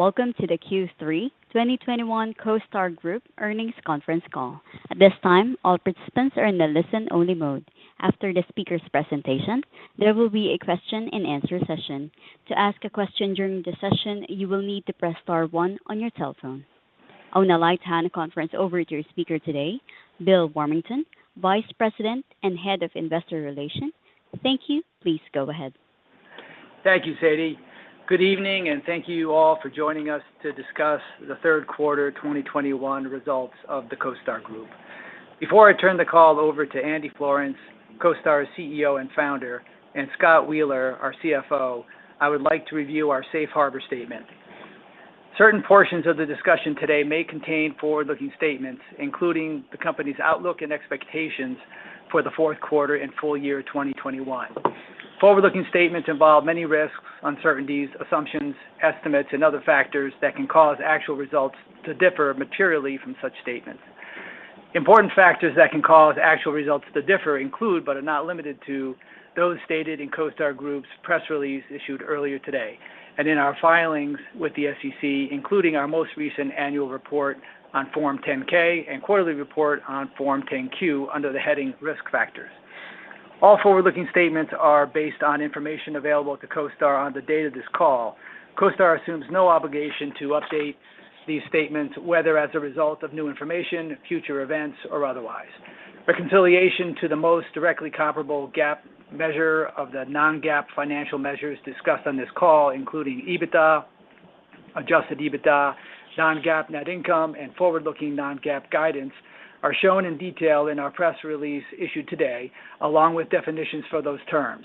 Welcome to the Q3 2021 CoStar Group earnings conference call. At this time, all participants are in the listen only mode. After the speaker's presentation, there will be a question and answer session. To ask a question during the session, you will need to press star one on your telephone. I will now turn the conference over to your speaker today, Bill Warmington, Vice President and Head of Investor Relations. Thank you. Please go ahead. Thank you, Sadie. Good evening, and thank you all for joining us to discuss the third quarter 2021 results of the CoStar Group. Before I turn the call over to Andy Florance, CoStar's CEO and founder, and Scott Wheeler, our CFO, I would like to review our safe harbor statement. Certain portions of the discussion today may contain forward-looking statements, including the company's outlook and expectations for the fourth quarter and full year 2021. Forward-looking statements involve many risks, uncertainties, assumptions, estimates, and other factors that can cause actual results to differ materially from such statements. Important factors that can cause actual results to differ include, but are not limited to, those stated in CoStar Group's press release issued earlier today and in our filings with the SEC, including our most recent annual report on Form 10-K and quarterly report on Form 10-Q under the heading Risk Factors. All forward-looking statements are based on information available to CoStar on the date of this call. CoStar assumes no obligation to update these statements, whether as a result of new information, future events, or otherwise. Reconciliation to the most directly comparable GAAP measure of the non-GAAP financial measures discussed on this call, including EBITDA, adjusted EBITDA, non-GAAP net income, and forward-looking non-GAAP guidance, are shown in detail in our press release issued today, along with definitions for those terms.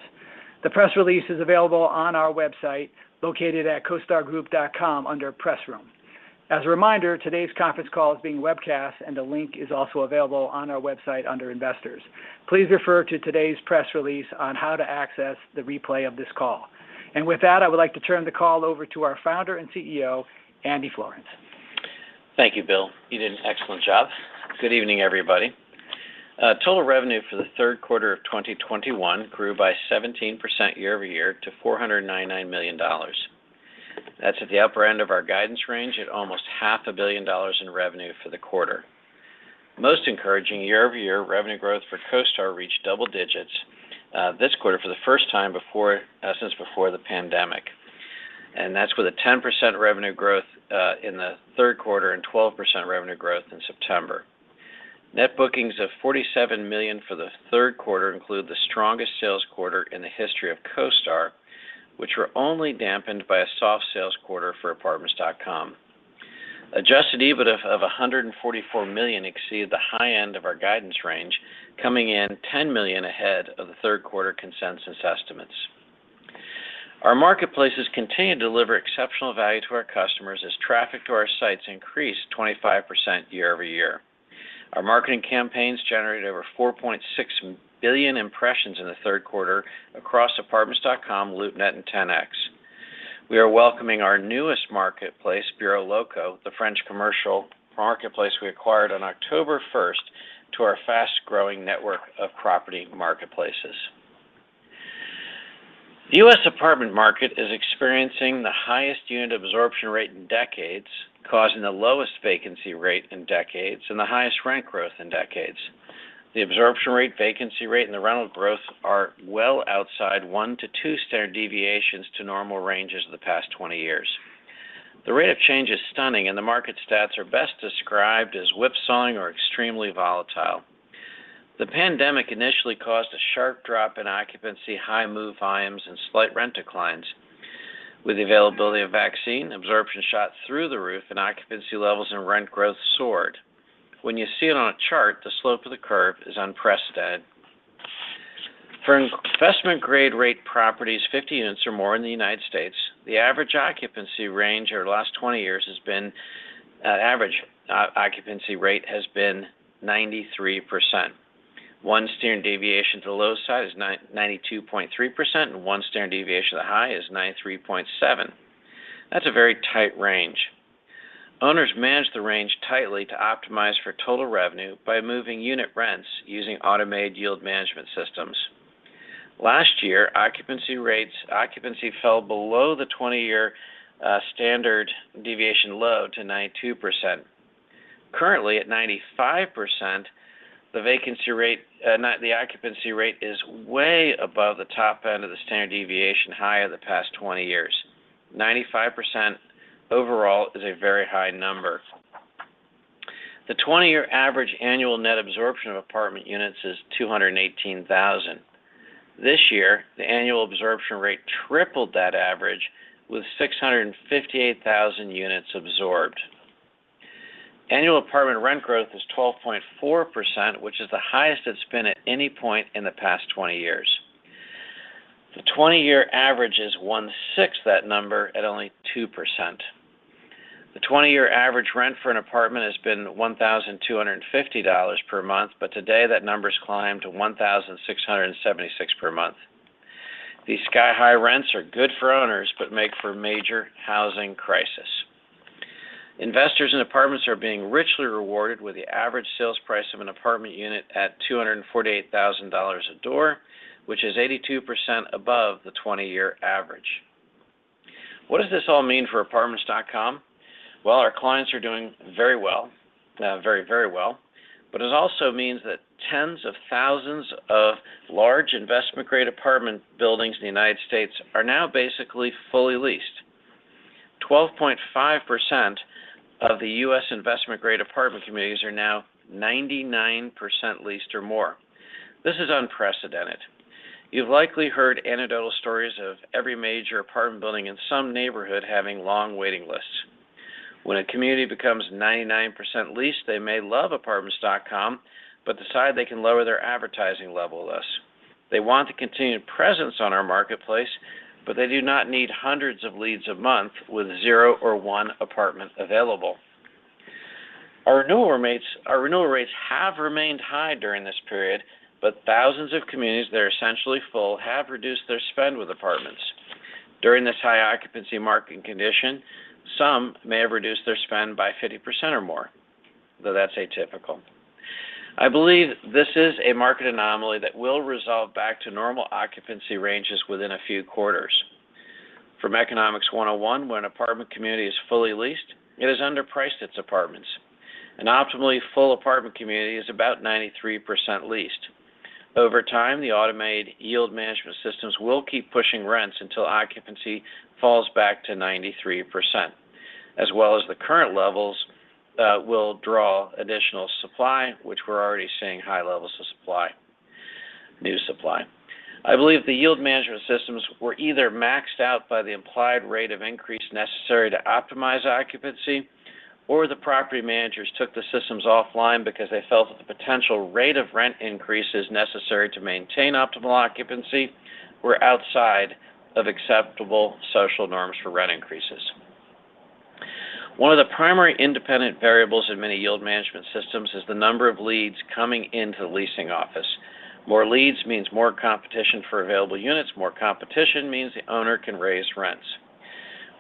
The press release is available on our website located at costargroup.com under Press Room. As a reminder, today's conference call is being webcast and a link is also available on our website under Investors. Please refer to today's press release on how to access the replay of this call. With that, I would like to turn the call over to our Founder and CEO, Andy Florance. Thank you, Bill. You did an excellent job. Good evening, everybody. Total revenue for the third quarter of 2021 grew by 17% year-over-year to $499 million. That's at the upper end of our guidance range at almost half a billion dollars in revenue for the quarter. Most encouraging, year-over-year revenue growth for CoStar reached double digits this quarter for the first time since before the pandemic. That's with a 10% revenue growth in the third quarter and 12% revenue growth in September. Net bookings of $47 million for the third quarter include the strongest sales quarter in the history of CoStar, which were only dampened by a soft sales quarter for Apartments.com. Adjusted EBIT of $144 million exceeded the high end of our guidance range, coming in $10 million ahead of the third quarter consensus estimates. Our marketplaces continue to deliver exceptional value to our customers as traffic to our sites increased 25% year-over-year. Our marketing campaigns generated over 4.6 billion impressions in the third quarter across Apartments.com, LoopNet, and Ten-X. We are welcoming our newest marketplace, BureauxLocaux, the French commercial marketplace we acquired on October first to our fast-growing network of property marketplaces. The U.S. apartment market is experiencing the highest unit absorption rate in decades, causing the lowest vacancy rate in decades and the highest rent growth in decades. The absorption rate, vacancy rate, and the rental growth are well outside 1-2 standard deviations to normal ranges of the past 20 years. The rate of change is stunning, and the market stats are best described as whipsawing or extremely volatile. The pandemic initially caused a sharp drop in occupancy, high move volumes, and slight rent declines. With the availability of vaccine, absorption shot through the roof and occupancy levels and rent growth soared. When you see it on a chart, the slope of the curve is unprecedented. For investment-grade rate properties, 50 units or more in the United States, the average occupancy rate over the last 20 years has been 93%. One standard deviation to the low side is 92.3%, and one standard deviation to the high is 93.7%. That's a very tight range. Owners manage the range tightly to optimize for total revenue by moving unit rents using automated yield management systems. Last year, occupancy fell below the 20-year standard deviation low to 92%. Currently, at 95%, the occupancy rate is way above the top end of the standard deviation high of the past 20 years. 95% overall is a very high number. The 20-year average annual net absorption of apartment units is 218,000. This year, the annual absorption rate tripled that average with 658,000 units absorbed. Annual apartment rent growth is 12.4%, which is the highest it's been at any point in the past 20 years. The 20-year average is one-sixth that number at only 2%. The 20-year average rent for an apartment has been $1,250 per month, but today that number has climbed to $1,676 per month. These sky-high rents are good for owners, but make for a major housing crisis. Investors in apartments are being richly rewarded with the average sales price of an apartment unit at $248,000 a door which is 82% above the 20-year average. What does this all mean for Apartments.com? Well, our clients are doing very well, very, very well. It also means that tens of thousands of large investment-grade apartment buildings in the United States are now basically fully leased. 12.5% of the U.S. investment-grade apartment communities are now 99% leased or more. This is unprecedented. You've likely heard anecdotal stories of every major apartment building in some neighborhood having long waiting lists. When a community becomes 99% leased, they may love Apartments.com, but decide they can lower their advertising level with us. They want to continue presence on our marketplace, but they do not need hundreds of leads a month with zero or one apartment available. Our renewal rates have remained high during this period, but thousands of communities that are essentially full have reduced their spend with Apartments.com. During this high occupancy market condition, some may have reduced their spend by 50% or more, though that's atypical. I believe this is a market anomaly that will resolve back to normal occupancy ranges within a few quarters. From Economics 101, when an apartment community is fully leased, it has underpriced its apartments. An optimally full apartment community is about 93% leased. Over time, the automated yield management systems will keep pushing rents until occupancy falls back to 93%. As well as the current levels, will draw additional supply, which we're already seeing high levels of supply, new supply. I believe the yield management systems were either maxed out by the implied rate of increase necessary to optimize occupancy, or the property managers took the systems offline because they felt that the potential rate of rent increases necessary to maintain optimal occupancy were outside of acceptable social norms for rent increases. One of the primary independent variables in many yield management systems is the number of leads coming into the leasing office. More leads means more competition for available units. More competition means the owner can raise rents.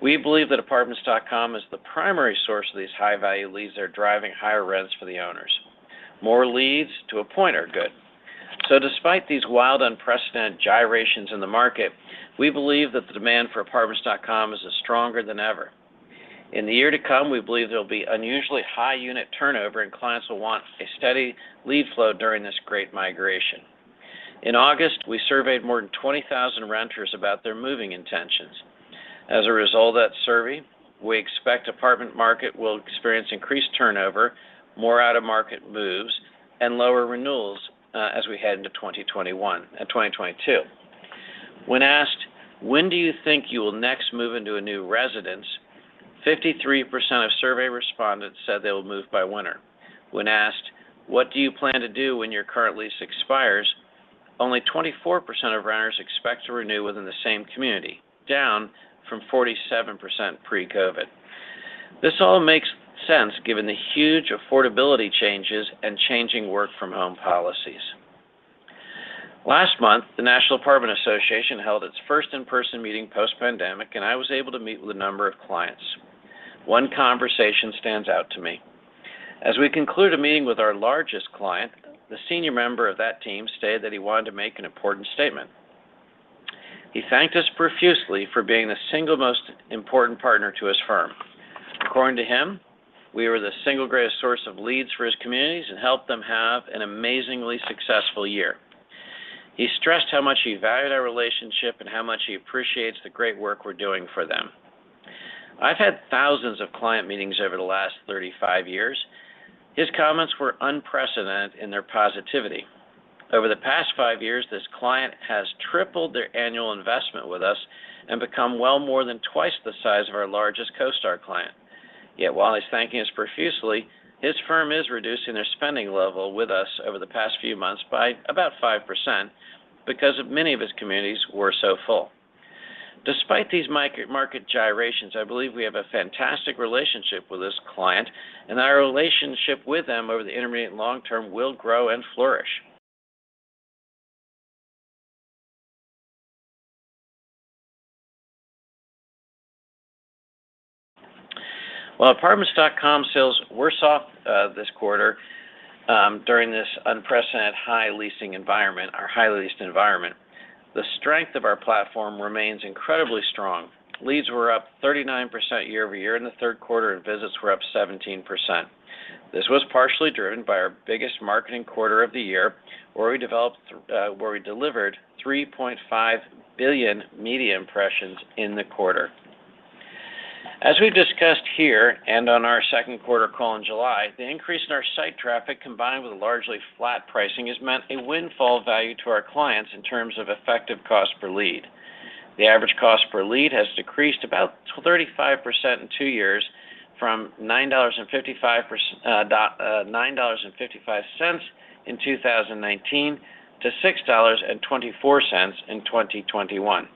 We believe that apartments.com is the primary source of these high-value leads that are driving higher rents for the owners. More leads to a point are good. Despite these wild, unprecedented gyrations in the market, we believe that the demand for Apartments.com is as stronger than ever. In the year to come, we believe there will be unusually high unit turnover, and clients will want a steady lead flow during this great migration. In August, we surveyed more than 20,000 renters about their moving intentions. As a result of that survey, we expect apartment market will experience increased turnover, more out-of-market moves, and lower renewals as we head into 2021, 2022. When asked, "When do you think you will next move into a new residence?" 53% of survey respondents said they will move by winter. When asked, "What do you plan to do when your current lease expires?" Only 24% of renters expect to renew within the same community, down from 47% pre-COVID. This all makes sense given the huge affordability changes and changing work from home policies. Last month, the National Apartment Association held its first in-person meeting post-pandemic, and I was able to meet with a number of clients. One conversation stands out to me. As we concluded a meeting with our largest client, the senior member of that team stated that he wanted to make an important statement. He thanked us profusely for being the single most important partner to his firm. According to him, we were the single greatest source of leads for his communities and helped them have an amazingly successful year. He stressed how much he valued our relationship and how much he appreciates the great work we're doing for them. I've had thousands of client meetings over the last 35 years. His comments were unprecedented in their positivity. Over the past five years, this client has tripled their annual investment with us and become well more than twice the size of our largest CoStar client. Yet while he's thanking us profusely, his firm is reducing their spending level with us over the past few months by about 5% because of many of his communities were so full. Despite these market gyrations, I believe we have a fantastic relationship with this client, and our relationship with them over the intermediate and long term will grow and flourish. While Apartments.com sales were soft this quarter during this unprecedented high leasing environment or high leased environment, the strength of our platform remains incredibly strong. Leads were up 39% year-over-year in the third quarter, and visits were up 17%. This was partially driven by our biggest marketing quarter of the year, where we delivered 3.5 billion media impressions in the quarter. As we've discussed here and on our second quarter call in July, the increase in our site traffic, combined with largely flat pricing, has meant a windfall value to our clients in terms of effective cost per lead. The average cost per lead has decreased about 35% in two years from $9.55 in 2019 to $6.24 in 2021.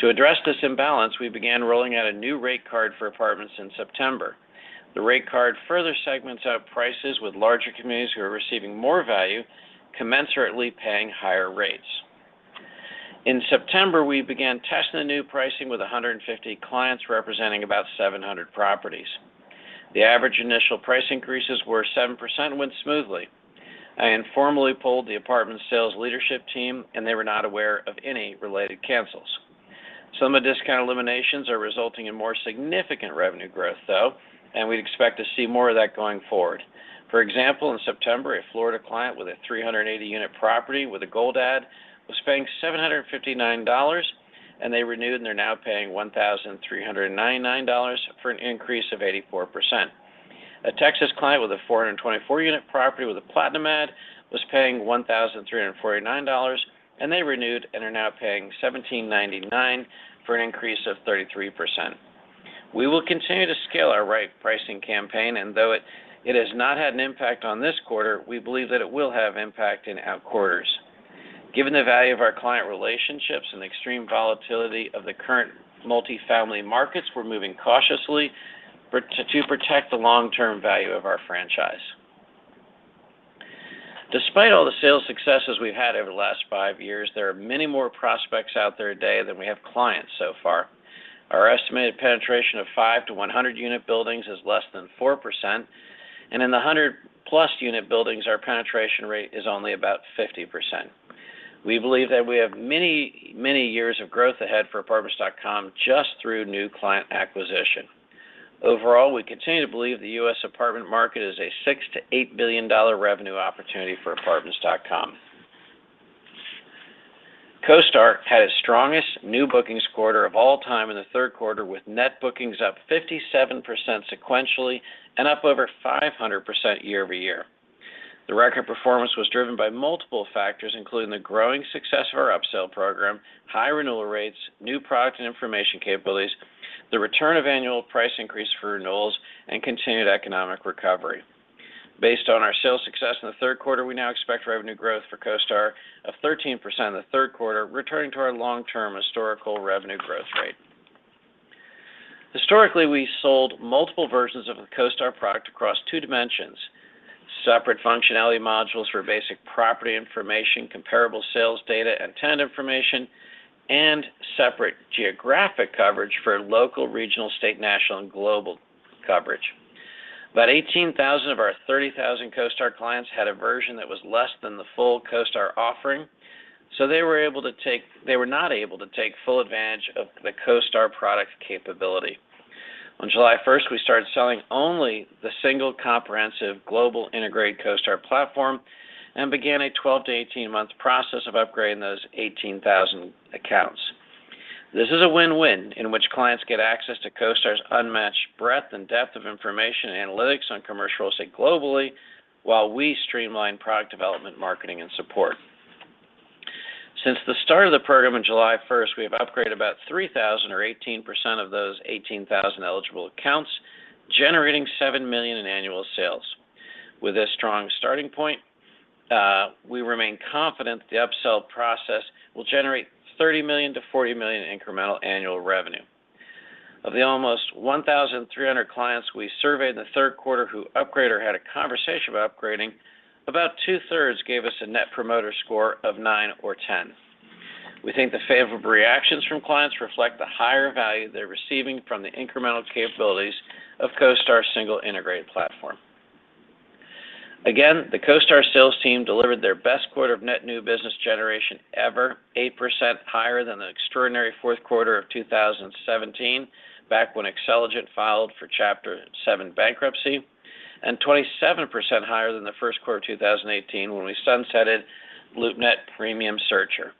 To address this imbalance, we began rolling out a new rate card for apartments in September. The rate card further segments out prices with larger communities who are receiving more value, commensurately paying higher rates. In September, we began testing the new pricing with 150 clients representing about 700 properties. The average initial price increases were 7% went smoothly. I informally polled the apartment sales leadership team, and they were not aware of any related cancels. Some of the discount eliminations are resulting in more significant revenue growth, though, and we'd expect to see more of that going forward. For example, in September, a Florida client with a 380-unit property with a Gold ad was paying $759, and they renewed, and they're now paying $1,399 for an increase of 84%. A Texas client with a 424-unit property with a Platinum ad was paying $1,349, and they renewed and are now paying $1,799 for an increase of 33%. We will continue to scale our right pricing campaign, and though it has not had an impact on this quarter, we believe that it will have impact in outer quarters. Given the value of our client relationships and the extreme volatility of the current multifamily markets, we're moving cautiously to protect the long-term value of our franchise. Despite all the sales successes we've had over the last five years, there are many more prospects out there today than we have clients so far. Our estimated penetration of 5-100-unit buildings is less than 4%, and in the 100+ unit buildings, our penetration rate is only about 50%. We believe that we have many, many years of growth ahead for Apartments.com just through new client acquisition. Overall, we continue to believe the U.S. apartment market is a $6 billion-$8 billion revenue opportunity for Apartments.com. CoStar had its strongest new bookings quarter of all time in the third quarter, with net bookings up 57% sequentially and up over 500% year-over-year. The record performance was driven by multiple factors, including the growing success of our upsell program, high renewal rates, new product and information capabilities, the return of annual price increase for renewals, and continued economic recovery. Based on our sales success in the third quarter, we now expect revenue growth for CoStar of 13% in the third quarter, returning to our long-term historical revenue growth rate. Historically, we sold multiple versions of the CoStar product across two dimensions, separate functionality modules for basic property information, comparable sales data and tenant information, and separate geographic coverage for local, regional, state, national, and global coverage. About 18,000 of our 30,000 CoStar clients had a version that was less than the full CoStar offering, so they were not able to take full advantage of the CoStar product capability. On July 1st, we started selling only the single comprehensive global integrated CoStar platform and began a 12-18-month process of upgrading those 18,000 accounts. This is a win-win in which clients get access to CoStar's unmatched breadth and depth of information analytics on commercial real estate globally while we streamline product development, marketing, and support. Since the start of the program on July first, we have upgraded about 3,000 or 18% of those 18,000 eligible accounts, generating $7 million in annual sales. With this strong starting point, we remain confident the upsell process will generate $30 million-$40 million in incremental annual revenue. Of the almost 1,300 clients we surveyed in the third quarter who upgraded or had a conversation about upgrading, about two-thirds gave us a net promoter score of nine or 10. We think the favorable reactions from clients reflect the higher value they're receiving from the incremental capabilities of CoStar's single integrated platform. Again, the CoStar sales team delivered their best quarter of net new business generation ever, 8% higher than the extraordinary fourth quarter of 2017, back when Xceligent filed for Chapter 7 bankruptcy, and 27% higher than the first quarter of 2018 when we sunsetted LoopNet Premium Searcher.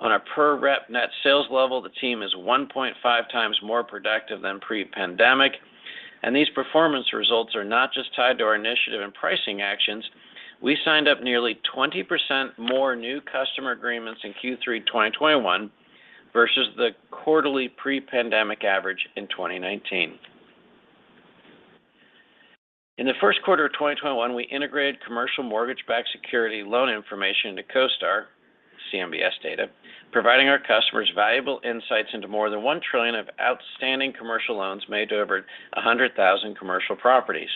On a per-rep net sales level, the team is 1.5 times more productive than pre-pandemic, and these performance results are not just tied to our initiative and pricing actions. We signed up nearly 20% more new customer agreements in Q3 2021 versus the quarterly pre-pandemic average in 2019. In the first quarter of 2021, we integrated commercial mortgage-backed security loan information into CoStar, CMBS data, providing our customers valuable insights into more than $1 trillion of outstanding commercial loans made to over 100,000 commercial properties.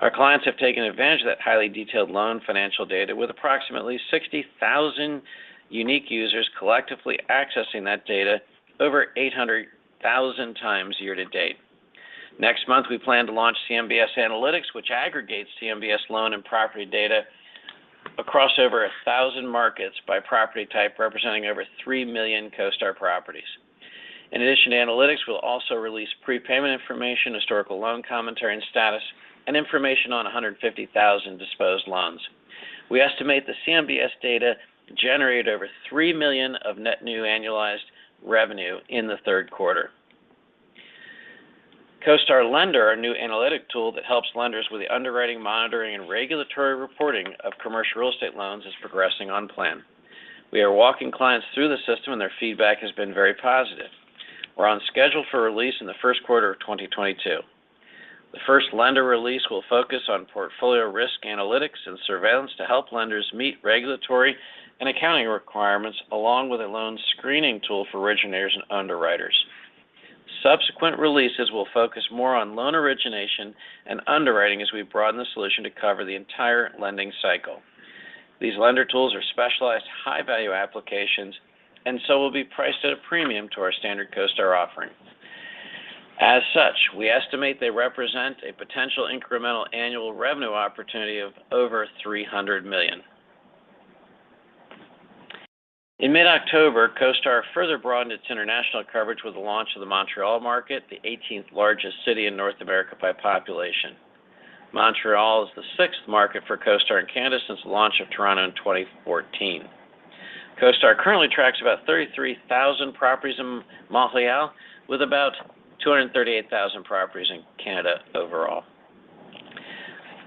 Our clients have taken advantage of that highly detailed loan financial data with approximately 60,000 unique users collectively accessing that data over 800,000 times year to date. Next month, we plan to launch CMBS Analytics, which aggregates CMBS loan and property data across over 1,000 markets by property type, representing over 3 million CoStar properties. In addition to analytics, we'll also release prepayment information, historical loan commentary and status, and information on 150,000 disposed loans. We estimate the CMBS data to generate over $3 million of net new annualized revenue in the third quarter. CoStar for Lenders, our new analytic tool that helps lenders with the underwriting, monitoring, and regulatory reporting of commercial real estate loans, is progressing on plan. We are walking clients through the system, and their feedback has been very positive. We're on schedule for release in the first quarter of 2022. The first lender release will focus on portfolio risk analytics and surveillance to help lenders meet regulatory and accounting requirements, along with a loan screening tool for originators and underwriters. Subsequent releases will focus more on loan origination and underwriting as we broaden the solution to cover the entire lending cycle. These lender tools are specialized high-value applications and so will be priced at a premium to our standard CoStar offerings. As such, we estimate they represent a potential incremental annual revenue opportunity of over $300 million. In mid-October, CoStar further broadened its international coverage with the launch of the Montreal market, the 18th largest city in North America by population. Montreal is the sixth market for CoStar in Canada since the launch of Toronto in 2014. CoStar currently tracks about 33,000 properties in Montreal, with about 238,000 properties in Canada overall.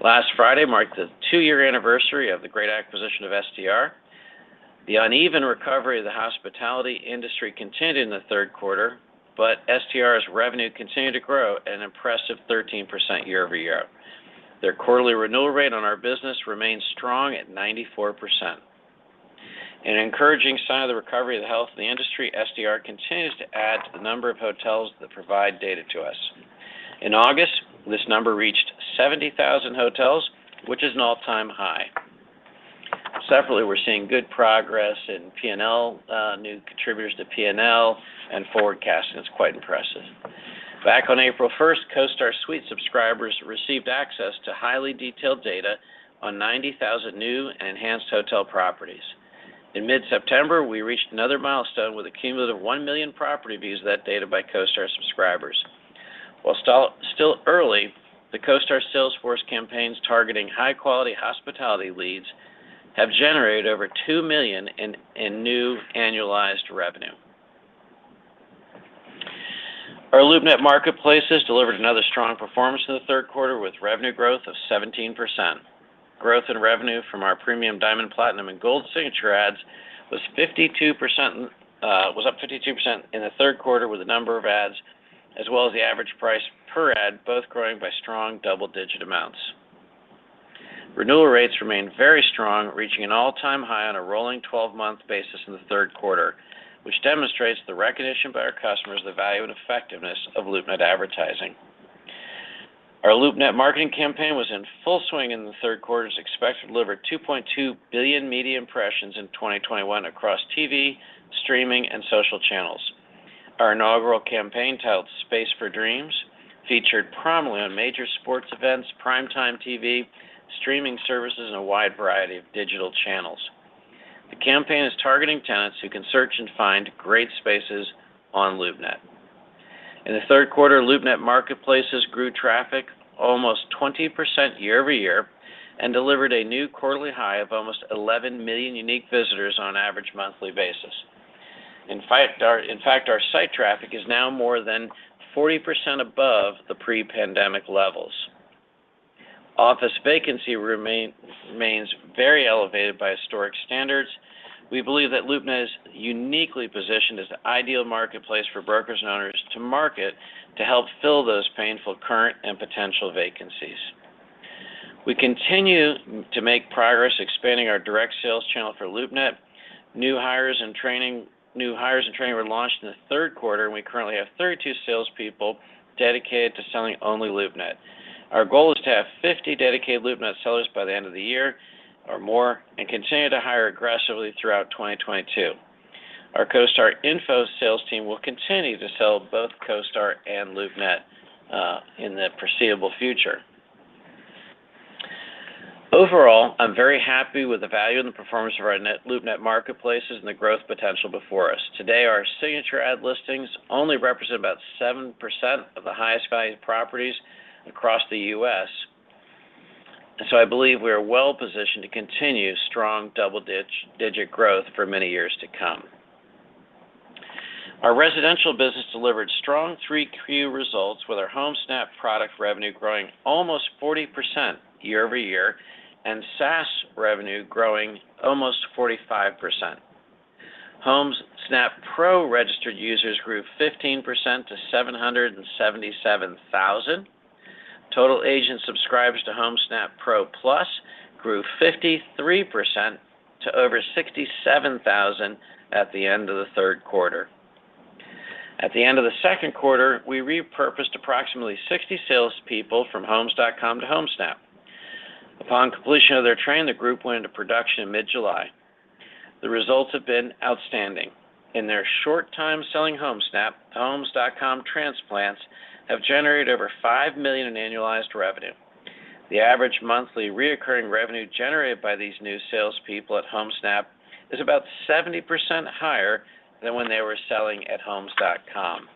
Last Friday marked the two-year anniversary of the great acquisition of STR. The uneven recovery of the hospitality industry continued in the third quarter, but STR's revenue continued to grow an impressive 13% year-over-year. Their quarterly renewal rate on our business remains strong at 94%. An encouraging sign of the recovery of the health of the industry, STR continues to add to the number of hotels that provide data to us. In August, this number reached 70,000 hotels, which is an all-time high. Separately, we're seeing good progress in P&L, new contributors to P&L and forecasting is quite impressive. Back on April first, CoStar Suite subscribers received access to highly detailed data on 90,000 new enhanced hotel properties. In mid-September, we reached another milestone with the cumulative 1 million property views of that data by CoStar subscribers. While still early, the CoStar sales force campaigns targeting high-quality hospitality leads have generated over $2 million in new annualized revenue. Our LoopNet marketplace has delivered another strong performance in the third quarter with revenue growth of 17%. Growth in revenue from our premium Diamond, Platinum, and Gold Signature ads was 52%, was up 52% in the third quarter with a number of ads, as well as the average price per ad, both growing by strong double-digit amounts. Renewal rates remain very strong, reaching an all-time high on a rolling 12-month basis in the third quarter, which demonstrates the recognition by our customers the value and effectiveness of LoopNet advertising. Our LoopNet marketing campaign was in full swing in the third quarter. It is expected to deliver 2.2 billion media impressions in 2021 across TV, streaming, and social channels. Our inaugural campaign titled Space for Dreams featured prominently on major sports events, primetime TV, streaming services, and a wide variety of digital channels. The campaign is targeting tenants who can search and find great spaces on LoopNet. In the third quarter, LoopNet marketplaces grew traffic almost 20% year-over-year and delivered a new quarterly high of almost 11 million unique visitors on average monthly basis. In fact, our site traffic is now more than 40% above the pre-pandemic levels. Office vacancy remains very elevated by historic standards. We believe that LoopNet is uniquely positioned as the ideal marketplace for brokers and owners to market to help fill those painful current and potential vacancies. We continue to make progress expanding our direct sales channel for LoopNet. New hires and training were launched in the third quarter, and we currently have 32 salespeople dedicated to selling only LoopNet. Our goal is to have 50 dedicated LoopNet sellers by the end of the year or more and continue to hire aggressively throughout 2022. Our CoStar info sales team will continue to sell both CoStar and LoopNet in the foreseeable future. Overall, I'm very happy with the value and the performance of our LoopNet marketplaces and the growth potential before us. Today, our signature ad listings only represent about 7% of the highest valued properties across the U.S. I believe we are well-positioned to continue strong double-digit growth for many years to come. Our residential business delivered strong Q3 results with our Homesnap product revenue growing almost 40% year-over-year, and SaaS revenue growing almost 45%. Homesnap Pro registered users grew 15% to 777,000. Total agent subscribers to Homesnap Pro Plus grew 53% to over 67,000 at the end of the third quarter. At the end of the second quarter, we repurposed approximately 60 salespeople from Homes.com to Homesnap. Upon completion of their training, the group went into production in mid-July. The results have been outstanding. In their short time selling Homesnap, Homes.com transplants have generated over $5 million in annualized revenue. The average monthly recurring revenue generated by these new salespeople at Homesnap is about 70% higher than when they were selling at Homes.com.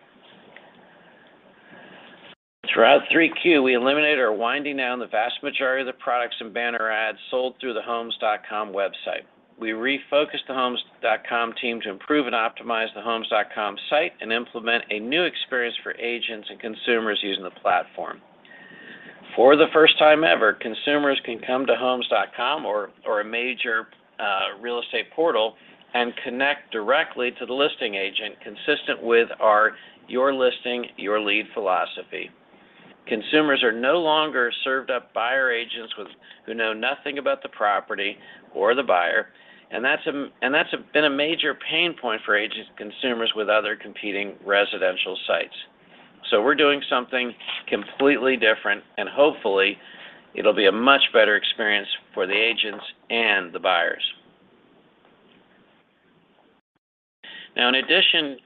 Throughout Q3, we eliminated or winding down the vast majority of the products and banner ads sold through the Homes.com website. We refocused the Homes.com team to improve and optimize the Homes.com site and implement a new experience for agents and consumers using the platform. For the first time ever, consumers can come to Homes.com or a major real estate portal and connect directly to the listing agent consistent with our Your Listing, Your Lead philosophy. Consumers are no longer served up buyer agents who know nothing about the property or the buyer, and that's been a major pain point for agents and consumers with other competing residential sites. We're doing something completely different, and hopefully it'll be a much better experience for the agents and the buyers. Now in addition,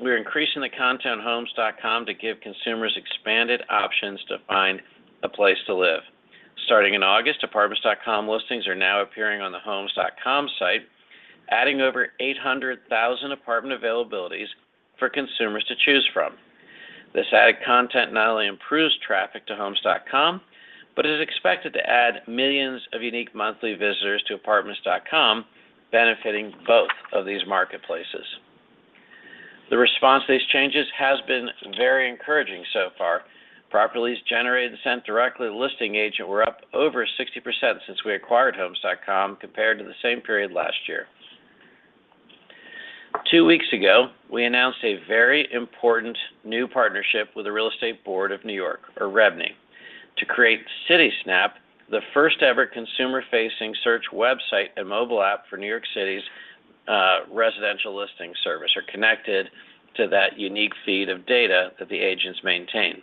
we're increasing the content on Homes.com to give consumers expanded options to find a place to live. Starting in August, Apartments.com listings are now appearing on the Homes.com site, adding over 800,000 apartment availabilities for consumers to choose from. This added content not only improves traffic to Homes.com, but is expected to add millions of unique monthly visitors to Apartments.com, benefiting both of these marketplaces. The response to these changes has been very encouraging so far. Properties generated and sent directly to the listing agent were up over 60% since we acquired Homes.com compared to the same period last year. Two weeks ago, we announced a very important new partnership with the Real Estate Board of New York, or REBNY, to create Citysnap, the first-ever consumer-facing search website and mobile app for New York City's residential listing service connected to that unique feed of data that the agents maintain.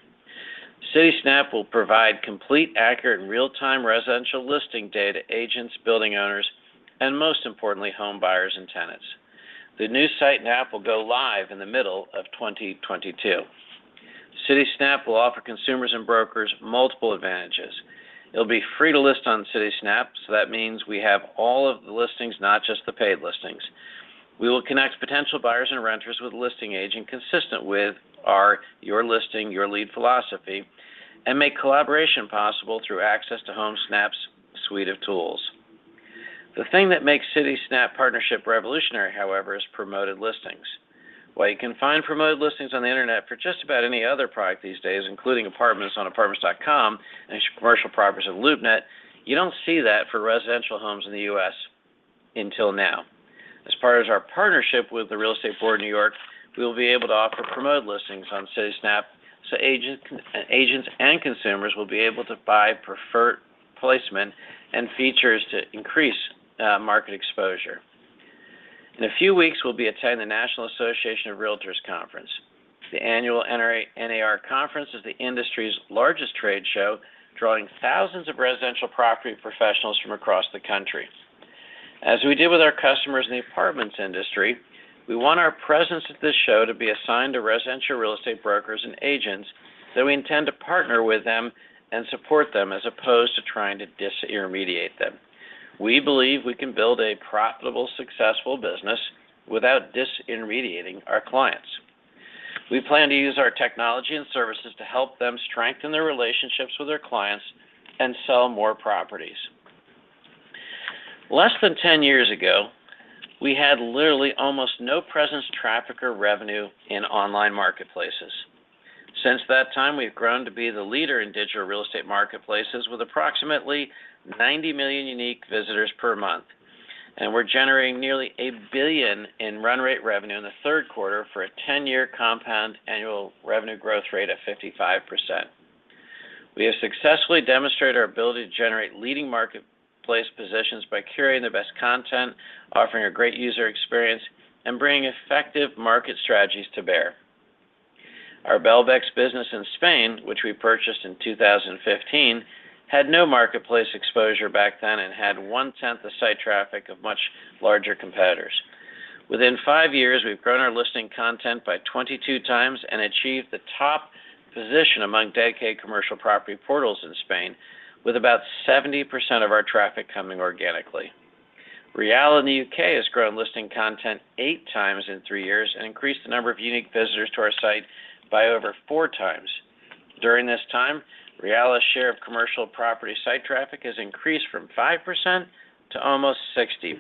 Citysnap will provide complete, accurate, and real-time residential listing data to agents, building owners, and most importantly, home buyers and tenants. The new site and app will go live in the middle of 2022. Citysnap will offer consumers and brokers multiple advantages. It'll be free to list on Citysnap, so that means we have all of the listings, not just the paid listings. We will connect potential buyers and renters with a listing agent consistent with our Your Listing, Your Lead philosophy and make collaboration possible through access to Homesnap's suite of tools. The thing that makes Citysnap partnership revolutionary, however, is promoted listings. While you can find promoted listings on the internet for just about any other product these days, including apartments on Apartments.com and commercial properties on LoopNet, you don't see that for residential homes in the U.S. until now. As part of our partnership with the Real Estate Board of New York, we will be able to offer promoted listings on Citysnap so agents and consumers will be able to buy preferred placement and features to increase market exposure. In a few weeks, we'll be attending the National Association of Realtors conference. The annual NAR conference is the industry's largest trade show, drawing thousands of residential property professionals from across the country. As we did with our customers in the apartments industry, we want our presence at this show to be a sign to residential real estate brokers and agents that we intend to partner with them and support them as opposed to trying to disintermediate them. We believe we can build a profitable, successful business without disintermediating our clients. We plan to use our technology and services to help them strengthen their relationships with their clients and sell more properties. Less than 10 years ago, we had literally almost no presence, traffic, or revenue in online marketplaces. Since that time, we've grown to be the leader in digital real estate marketplaces with approximately 90 million unique visitors per month. We're generating nearly $1 billion in run-rate revenue in the third quarter for a 10-year compound annual revenue growth rate of 55%. We have successfully demonstrated our ability to generate leading marketplace positions by curating the best content, offering a great user experience, and bringing effective market strategies to bear. Our Belbex business in Spain, which we purchased in 2015, had no marketplace exposure back then and had one-tenth the site traffic of much larger competitors. Within five years, we've grown our listing content by 22 times and achieved the top position among dedicated commercial property portals in Spain, with about 70% of our traffic coming organically. Realla in the U.K. has grown listing content 8x in three years and increased the number of unique visitors to our site by over 4x. During this time, Realla's share of commercial property site traffic has increased from 5% to almost 60%.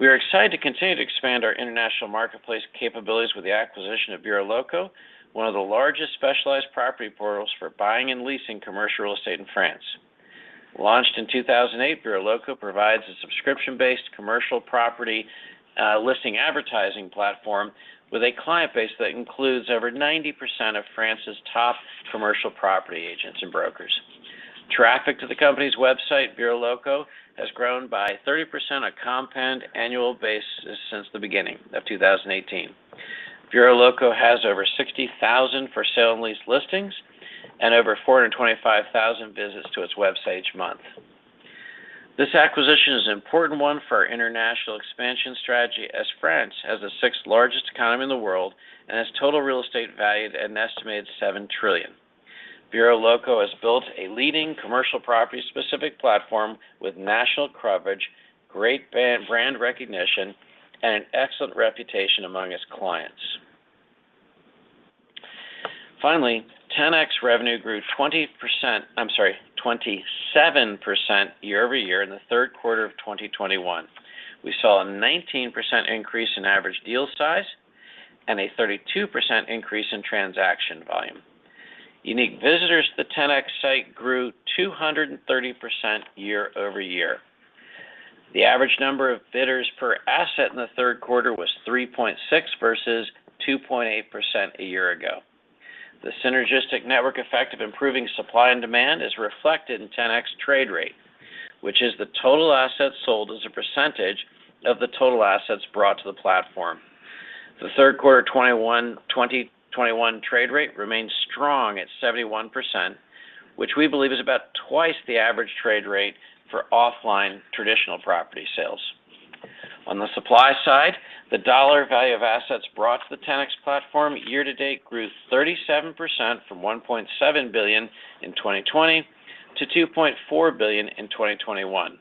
We are excited to continue to expand our international marketplace capabilities with the acquisition of BureauxLocaux, one of the largest specialized property portals for buying and leasing commercial real estate in France. Launched in 2008, BureauxLocaux provides a subscription-based commercial property listing advertising platform with a client base that includes over 90% of France's top commercial property agents and brokers. Traffic to the company's website, BureauxLocaux, has grown by 30% on a compound annual basis since the beginning of 2018. BureauxLocaux has over 60,000 for sale and lease listings and over 425,000 visits to its website each month. This acquisition is an important one for our international expansion strategy, as France has the sixth largest economy in the world and has total real estate valued at an estimated $7 trillion. BureauxLocaux has built a leading commercial property-specific platform with national coverage, great brand recognition, and an excellent reputation among its clients. Ten-X revenue grew 27% year-over-year in Q3 2021. We saw a 19% increase in average deal size and a 32% increase in transaction volume. Unique visitors to the Ten-X site grew 230% year-over-year. The average number of bidders per asset in the third quarter was 3.6 versus 2.8 a year ago. The synergistic network effect of improving supply and demand is reflected in Ten-X trade rate, which is the total assets sold as a percentage of the total assets brought to the platform. The third quarter of 2021 trade rate remains strong at 71%, which we believe is about twice the average trade rate for offline traditional property sales. On the supply side, the dollar value of assets brought to the Ten-X platform year to date grew 37% from $1.7 billion in 2020 to $2.4 billion in 2021.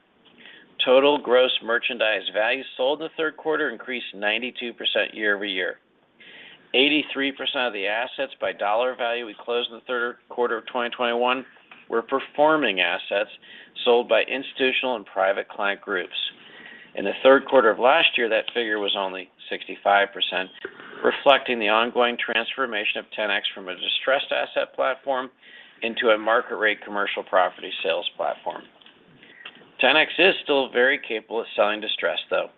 Total gross merchandise value sold in the third quarter increased 92% year-over-year. 83% of the assets by dollar value we closed in the third quarter of 2021 were performing assets sold by institutional and private client groups. In the third quarter of last year, that figure was only 65%, reflecting the ongoing transformation of Ten-X from a distressed asset platform into a market rate commercial property sales platform. Ten-X is still very capable of selling distressed though,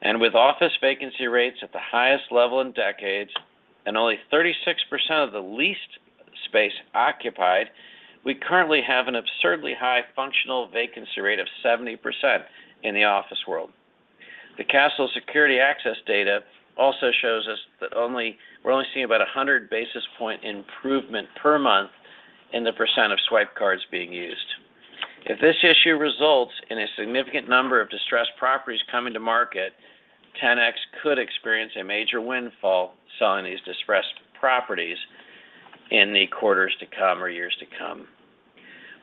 and with office vacancy rates at the highest level in decades and only 36% of the leased space occupied, we currently have an absurdly high functional vacancy rate of 70% in the office world. The Kastle security access data also shows us that we're only seeing about 100 basis points improvement per month in the % of swipe cards being used. If this issue results in a significant number of distressed properties coming to market, Ten-X could experience a major windfall selling these distressed properties in the quarters to come or years to come.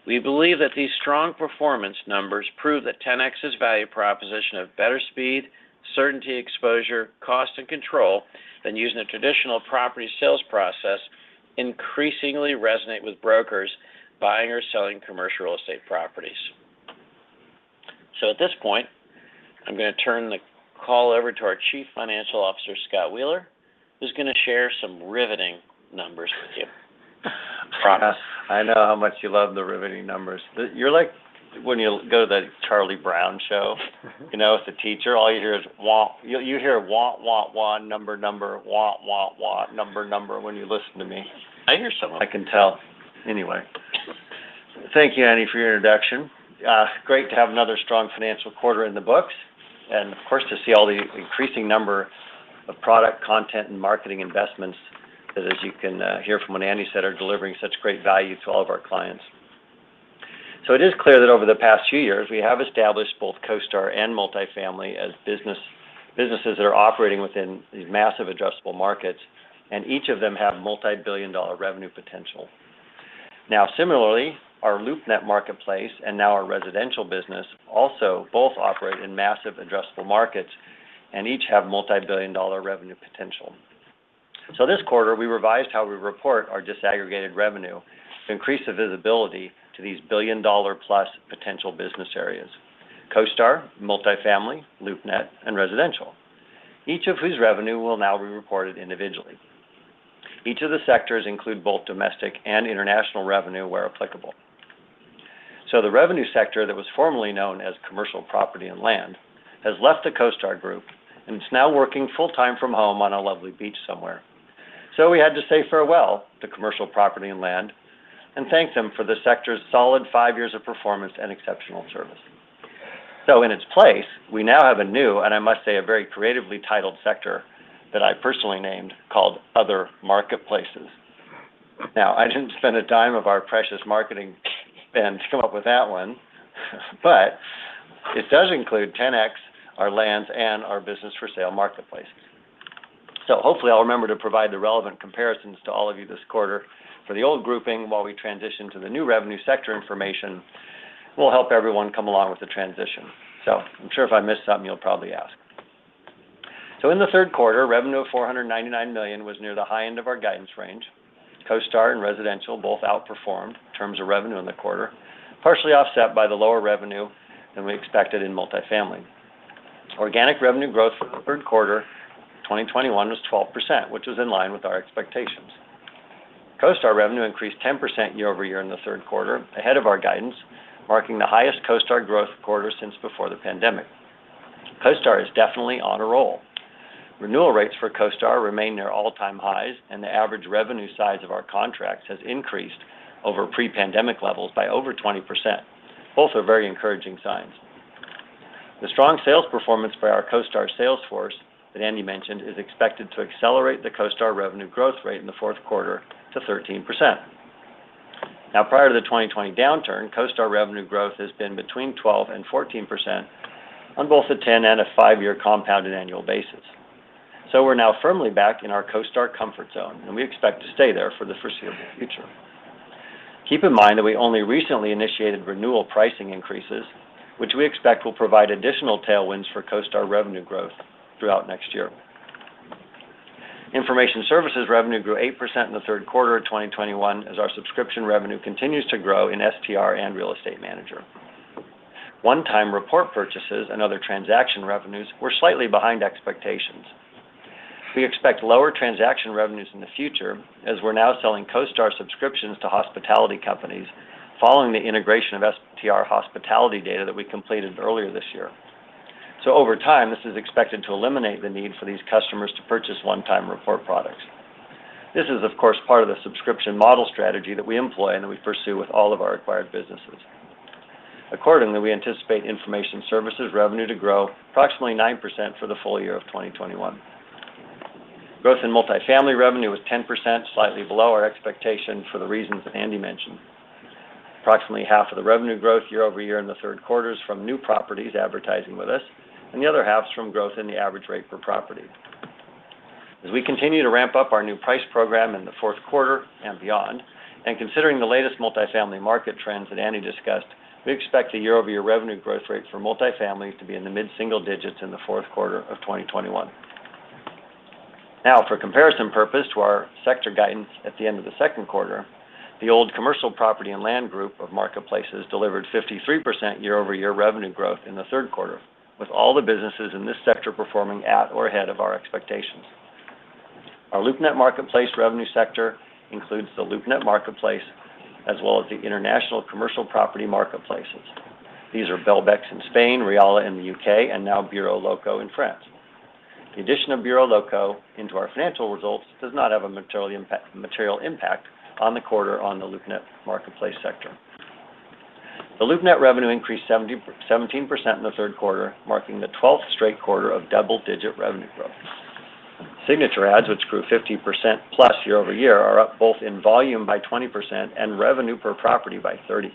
We believe that these strong performance numbers prove that Ten-X's value proposition of better speed, certainty, exposure, cost, and control than using a traditional property sales process increasingly resonate with brokers buying or selling commercial real estate properties. At this point, I'm gonna turn the call over to our Chief Financial Officer, Scott Wheeler, who's gonna share some riveting numbers with you. Promise. I know how much you love the riveting numbers. You're like when you go to the Charlie Brown show. Mm-hmm. You know, with the teacher, all you hear is wa, wa, number, wa, wa, number when you listen to me. I hear something. I can tell. Anyway. Thank you, Andy, for your introduction. Great to have another strong financial quarter in the books and of course, to see all the increasing number of product content and marketing investments that, as you can hear from what Andy said, are delivering such great value to all of our clients. It is clear that over the past few years, we have established both CoStar and Multifamily as businesses that are operating within these massive addressable markets, and each of them have multi-billion-dollar revenue potential. Now, similarly, our LoopNet marketplace and now our residential business also both operate in massive addressable markets and each have multi-billion-dollar revenue potential. This quarter, we revised how we report our disaggregated revenue to increase the visibility to these billion-dollar plus potential business areas, CoStar, Multifamily, LoopNet, and Residential, each of whose revenue will now be reported individually. Each of the sectors include both domestic and international revenue where applicable. The revenue sector that was formerly known as Commercial Property and Land has left the CoStar Group and is now working full-time from home on a lovely beach somewhere. We had to say farewell to Commercial Property and Land and thank them for the sector's solid five years of performance and exceptional service. In its place, we now have a new, and I must say, a very creatively titled sector that I personally named called Other Marketplaces. Now, I didn't spend a dime of our precious marketing spend to come up with that one, but it does include Ten-X, our Land, and our business for sale marketplaces. Hopefully I'll remember to provide the relevant comparisons to all of you this quarter for the old grouping while we transition to the new revenue segment information. It will help everyone come along with the transition. I'm sure if I miss something, you'll probably ask. In the third quarter, revenue of $499 million was near the high end of our guidance range. CoStar and Residential both outperformed in terms of revenue in the quarter, partially offset by the lower revenue than we expected in Multifamily. Organic revenue growth for the third quarter 2021 was 12%, which was in line with our expectations. CoStar revenue increased 10% year-over-year in the third quarter, ahead of our guidance, marking the highest CoStar growth quarter since before the pandemic. CoStar is definitely on a roll. Renewal rates for CoStar remain near all-time highs, and the average revenue size of our contracts has increased over pre-pandemic levels by over 20%, both are very encouraging signs. The strong sales performance by our CoStar sales force that Andy mentioned is expected to accelerate the CoStar revenue growth rate in the fourth quarter to 13%. Now, prior to the 2020 downturn, CoStar revenue growth has been between 12% and 14% on both a 10-year and 5-year compounded annual basis. We're now firmly back in our CoStar comfort zone, and we expect to stay there for the foreseeable future. Keep in mind that we only recently initiated renewal pricing increases, which we expect will provide additional tailwinds for CoStar revenue growth throughout next year. Information services revenue grew 8% in the third quarter of 2021 as our subscription revenue continues to grow in SPR and Real Estate Manager. One-time report purchases and other transaction revenues were slightly behind expectations. We expect lower transaction revenues in the future as we're now selling CoStar subscriptions to hospitality companies following the integration of STR hospitality data that we completed earlier this year. Over time, this is expected to eliminate the need for these customers to purchase one-time report products. This is, of course, part of the subscription model strategy that we employ and that we pursue with all of our acquired businesses. Accordingly, we anticipate information services revenue to grow approximately 9% for the full year of 2021. Growth in multifamily revenue was 10%, slightly below our expectation for the reasons Andy mentioned. Approximately half of the revenue growth year-over-year in the third quarter is from new properties advertising with us, and the other half is from growth in the average rate per property. As we continue to ramp up our new price program in the fourth quarter and beyond, and considering the latest multifamily market trends that Andy discussed, we expect the year-over-year revenue growth rate for multifamily to be in the mid-single digits in the fourth quarter of 2021. Now, for comparison purpose to our sector guidance at the end of the second quarter, the old Commercial Property and Land group of marketplaces delivered 53% year-over-year revenue growth in the third quarter, with all the businesses in this sector performing at or ahead of our expectations. Our LoopNet marketplace revenue sector includes the LoopNet marketplace as well as the international commercial property marketplaces. These are Belbex in Spain, Realla in the U.K., and now BureauxLocaux in France. The addition of BureauxLocaux into our financial results does not have a material impact on the quarter on the LoopNet marketplace sector. The LoopNet revenue increased 17% in the third quarter, marking the 12th straight quarter of double-digit revenue growth. Signature ads, which grew 50%+ year-over-year, are up both in volume by 20% and revenue per property by 30%.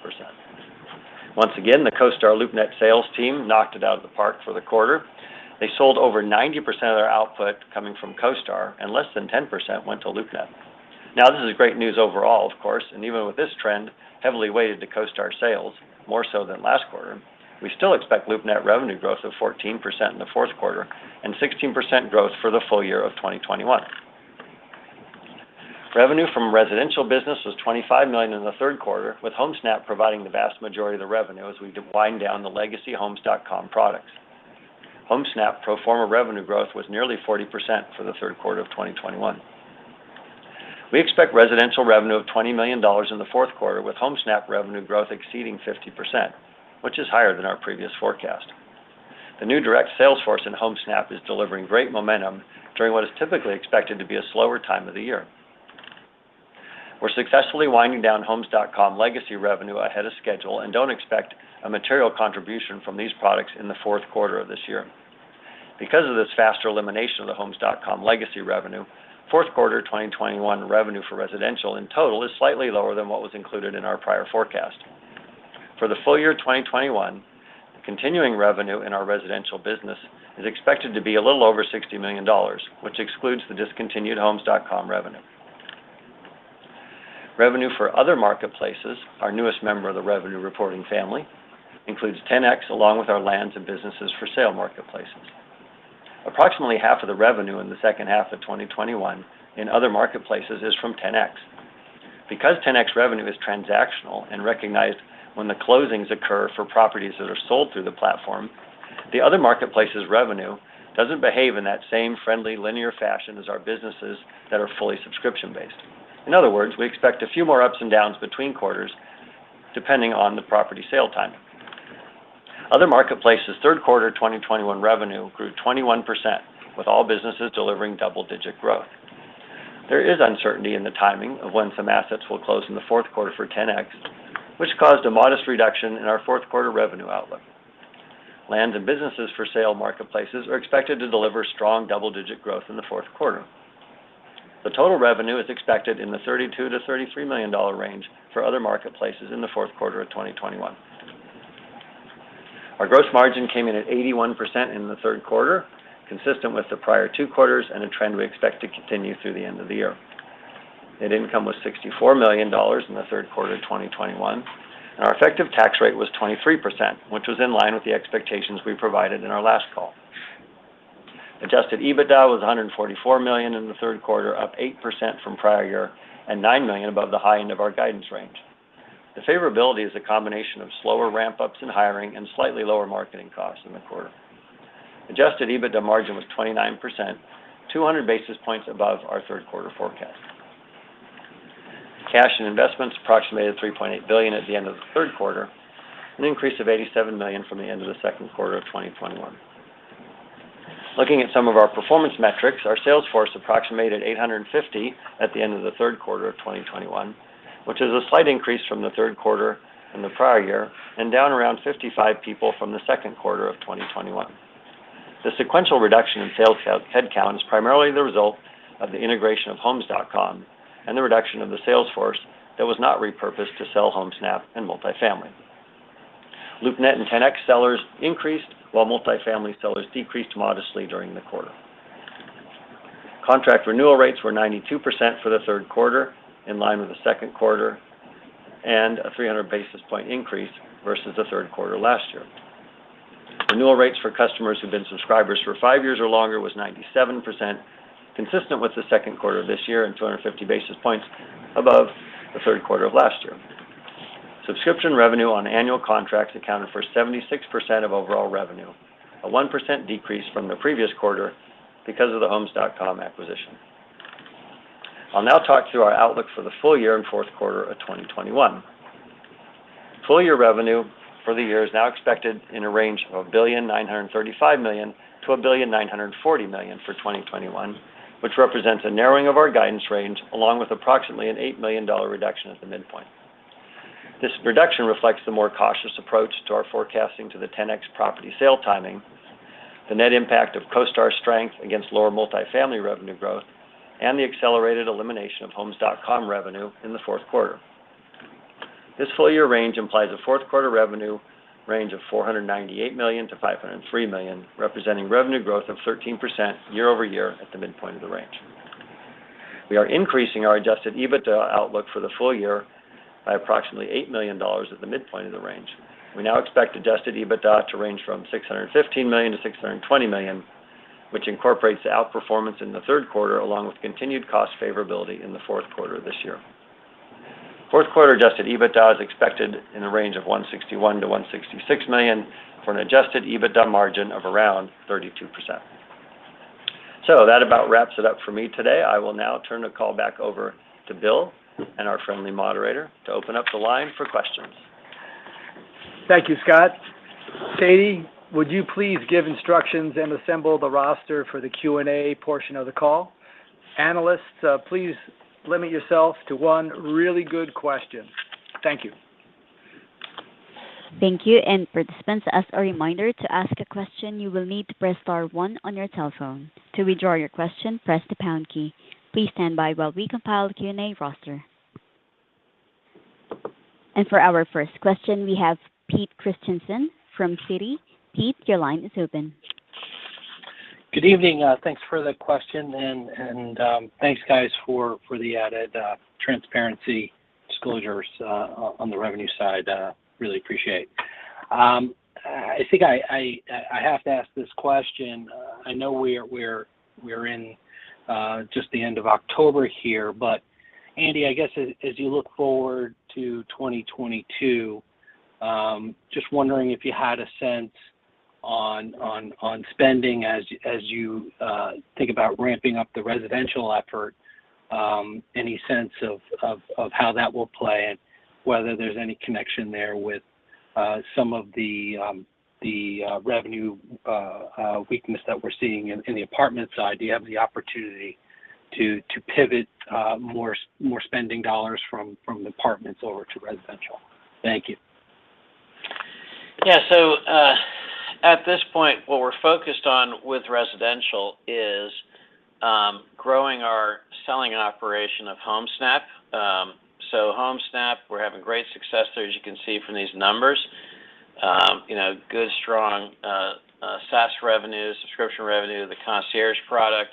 Once again, the CoStar LoopNet sales team knocked it out of the park for the quarter. They sold over 90% of their output coming from CoStar, and less than 10% went to LoopNet. Now, this is great news overall, of course, and even with this trend heavily weighted to CoStar sales, more so than last quarter, we still expect LoopNet revenue growth of 14% in the fourth quarter and 16% growth for the full year of 2021. Revenue from residential business was $25 million in the third quarter, with Homesnap providing the vast majority of the revenue as we wind down the legacy Homes.com products. Homesnap pro forma revenue growth was nearly 40% for the third quarter of 2021. We expect residential revenue of $20 million in the fourth quarter, with Homesnap revenue growth exceeding 50%, which is higher than our previous forecast. The new direct sales force in Homesnap is delivering great momentum during what is typically expected to be a slower time of the year. We're successfully winding down Homes.com legacy revenue ahead of schedule and don't expect a material contribution from these products in the fourth quarter of this year. Because of this faster elimination of the Homes.com legacy revenue, fourth quarter 2021 revenue for residential in total is slightly lower than what was included in our prior forecast. For the full year 2021, continuing revenue in our residential business is expected to be a little over $60 million, which excludes the discontinued Homes.com revenue. Revenue for Other Marketplaces, our newest member of the revenue reporting family, includes Ten-X along with our lands and businesses for sale marketplaces. Approximately half of the revenue in the second half of 2021 in Other Marketplaces is from Ten-X. Because Ten-X revenue is transactional and recognized when the closings occur for properties that are sold through the platform, Other Marketplaces revenue doesn't behave in that same friendly linear fashion as our businesses that are fully subscription-based. In other words, we expect a few more ups and downs between quarters depending on the property sale timing. Other Marketplaces' third quarter 2021 revenue grew 21%, with all businesses delivering double-digit growth. There is uncertainty in the timing of when some assets will close in the fourth quarter for Ten-X, which caused a modest reduction in our fourth quarter revenue outlook. Lands and businesses for sale marketplaces are expected to deliver strong double-digit growth in the fourth quarter. Total revenue is expected in the $32 million-$33 million range for Other Marketplaces in the fourth quarter of 2021. Our gross margin came in at 81% in the third quarter, consistent with the prior two quarters and a trend we expect to continue through the end of the year. Net income was $64 million in the third quarter of 2021, and our effective tax rate was 23%, which was in line with the expectations we provided in our last call. Adjusted EBITDA was $144 million in the third quarter, up 8% from prior year and $9 million above the high end of our guidance range. The favorability is a combination of slower ramp-ups in hiring and slightly lower marketing costs in the quarter. Adjusted EBITDA margin was 29%, 200 basis points above our third quarter forecast. Cash and investments approximated $3.8 billion at the end of the third quarter, an increase of $87 million from the end of the second quarter of 2021. Looking at some of our performance metrics, our sales force approximated 850 at the end of the third quarter of 2021, which is a slight increase from the third quarter in the prior year and down around 55 people from the second quarter of 2021. The sequential reduction in sales headcount is primarily the result of the integration of Homes.com and the reduction of the sales force that was not repurposed to sell Homesnap and multifamily. LoopNet and Ten-X sellers increased while multifamily sellers decreased modestly during the quarter. Contract renewal rates were 92% for the third quarter, in line with the second quarter and a 300 basis point increase versus the third quarter last year. Renewal rates for customers who've been subscribers for 5 years or longer was 97%, consistent with the second quarter of this year and 250 basis points above the third quarter of last year. Subscription revenue on annual contracts accounted for 76% of overall revenue, a 1% decrease from the previous quarter because of the Homes.com acquisition. I'll now talk through our outlook for the full year and fourth quarter of 2021. Full year revenue for the year is now expected in a range of $1.935 billion-$1.940 billion for 2021, which represents a narrowing of our guidance range, along with approximately an $8 million reduction at the midpoint. This reduction reflects the more cautious approach to our forecasting to the Ten-X property sale timing, the net impact of CoStar strength against lower multifamily revenue growth, and the accelerated elimination of Homes.com revenue in the fourth quarter. This full year range implies a fourth quarter revenue range of $498 million-$503 million, representing revenue growth of 13% year-over-year at the midpoint of the range. We are increasing our adjusted EBITDA outlook for the full year by approximately $8 million at the midpoint of the range. We now expect adjusted EBITDA to range from $615 million-$620 million, which incorporates the outperformance in the third quarter, along with continued cost favorability in the fourth quarter of this year. Fourth quarter adjusted EBITDA is expected in the range of $161 million-$166 million for an adjusted EBITDA margin of around 32%. That about wraps it up for me today. I will now turn the call back over to Bill and our friendly moderator to open up the line for questions. Thank you, Scott. Sadie, would you please give instructions and assemble the roster for the Q&A portion of the call? Analysts, please limit yourself to one really good question. Thank you. Thank you. Participants, as a reminder, to ask a question, you will need to press star one on your telephone. To withdraw your question, press the pound key. Please stand by while we compile the Q&A roster. For our first question, we have Pete Christiansen from Citi. Pete, your line is open. Good evening. Thanks for the question and thanks guys for the added transparency disclosures on the revenue side. Really appreciate. I think I have to ask this question. I know we're in just the end of October here, but Andy, I guess as you look forward to 2022, just wondering if you had a sense on spending as you think about ramping up the residential effort, any sense of how that will play and whether there's any connection there with some of the revenue weakness that we're seeing in the apartment side. Do you have the opportunity to pivot more spending dollars from apartments over to residential? Thank you. Yeah. At this point, what we're focused on with residential is growing our selling and operation of Homesnap. Homesnap, we're having great success there, as you can see from these numbers. You know, good, strong SaaS revenue, subscription revenue to the concierge product.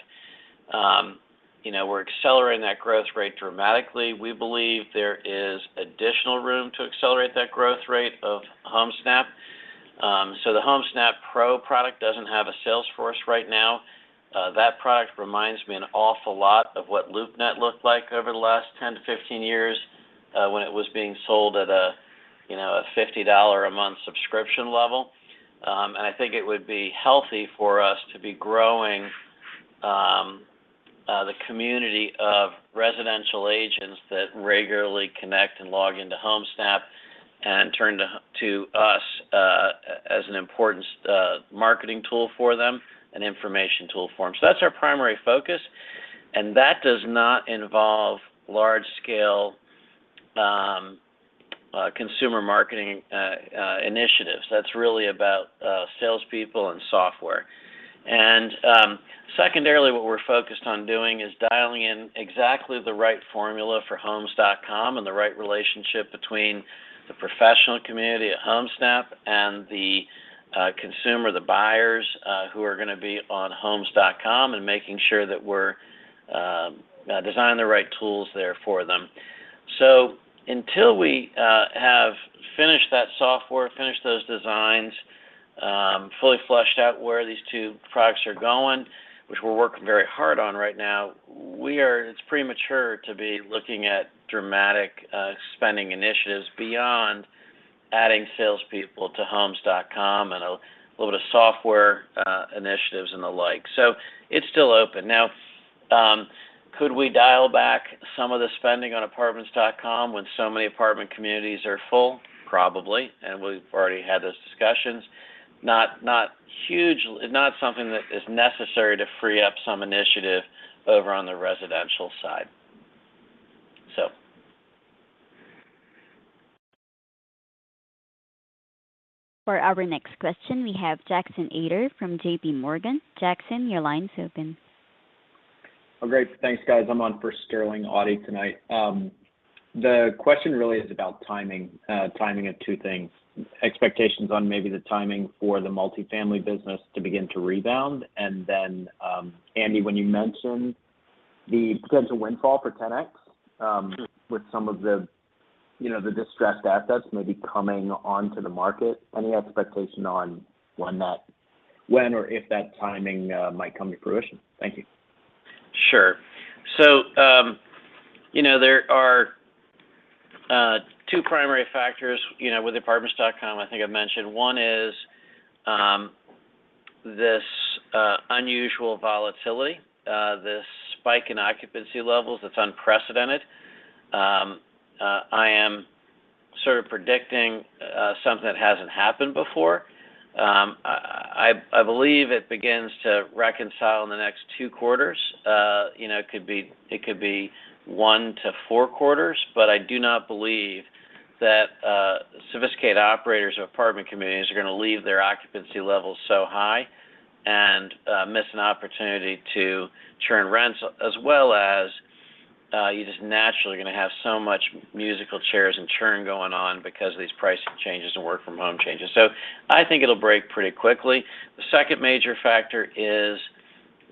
You know, we're accelerating that growth rate dramatically. We believe there is additional room to accelerate that growth rate of Homesnap. The Homesnap Pro product doesn't have a sales force right now. That product reminds me an awful lot of what LoopNet looked like over the last 10-15 years, when it was being sold at a, you know, a $50 a month subscription level. I think it would be healthy for us to be growing the community of residential agents that regularly connect and log into Homesnap and turn to us as an important marketing tool for them and information tool for them. That's our primary focus, and that does not involve large scale consumer marketing initiatives. That's really about salespeople and software. Secondarily, what we're focused on doing is dialing in exactly the right formula for Homes.com and the right relationship between the professional community at Homesnap and the consumer, the buyers who are gonna be on Homes.com and making sure that we're designing the right tools there for them. Until we have finished that software, finished those designs, fully fleshed out where these two products are going, which we're working very hard on right now, it's premature to be looking at dramatic spending initiatives beyond adding salespeople to Homes.com and a little bit of software initiatives and the like. It's still open. Now, could we dial back some of the spending on Apartments.com when so many apartment communities are full? Probably, and we've already had those discussions. Not huge, not something that is necessary to free up some initiative over on the residential side. For our next question, we have Jackson Ader from JPMorgan. Jackson, your line's open. Oh, great. Thanks, guys. I'm on for Sterling Auty tonight. The question really is about timing of two things. Expectations on maybe the timing for the Multifamily business to begin to rebound. Andy, when you mentioned the potential windfall for Ten-X with some of the, you know, the distressed assets maybe coming onto the market, any expectation on when or if that timing might come to fruition? Thank you. Sure. You know, there are two primary factors, you know, with Apartments.com, I think I've mentioned. One is this unusual volatility, this spike in occupancy levels that's unprecedented. I am sort of predicting something that hasn't happened before. I believe it begins to reconcile in the next two quarters. You know, it could be one to four quarters. I do not believe that sophisticated operators of apartment communities are gonna leave their occupancy levels so high and miss an opportunity to churn rents, as well as you're just naturally gonna have so much musical chairs and churn going on because of these pricing changes and work from home changes. I think it'll break pretty quickly. The second major factor is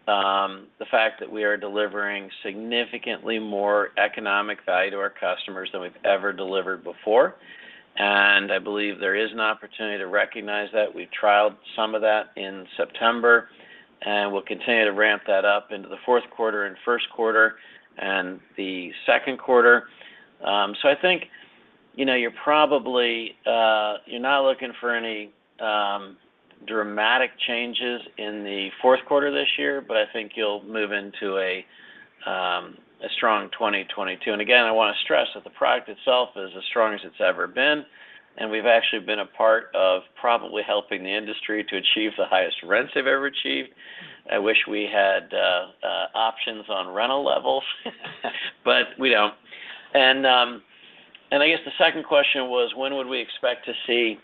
the fact that we are delivering significantly more economic value to our customers than we've ever delivered before. I believe there is an opportunity to recognize that. We've trialed some of that in September, and we'll continue to ramp that up into the fourth quarter and first quarter and the second quarter. I think, you know, you're not looking for any dramatic changes in the fourth quarter this year, but I think you'll move into a strong 2022. I wanna stress that the product itself is as strong as it's ever been, and we've actually been a part of probably helping the industry to achieve the highest rents they've ever achieved. I wish we had options on rental levels, but we don't. I guess the second question was when would we expect to see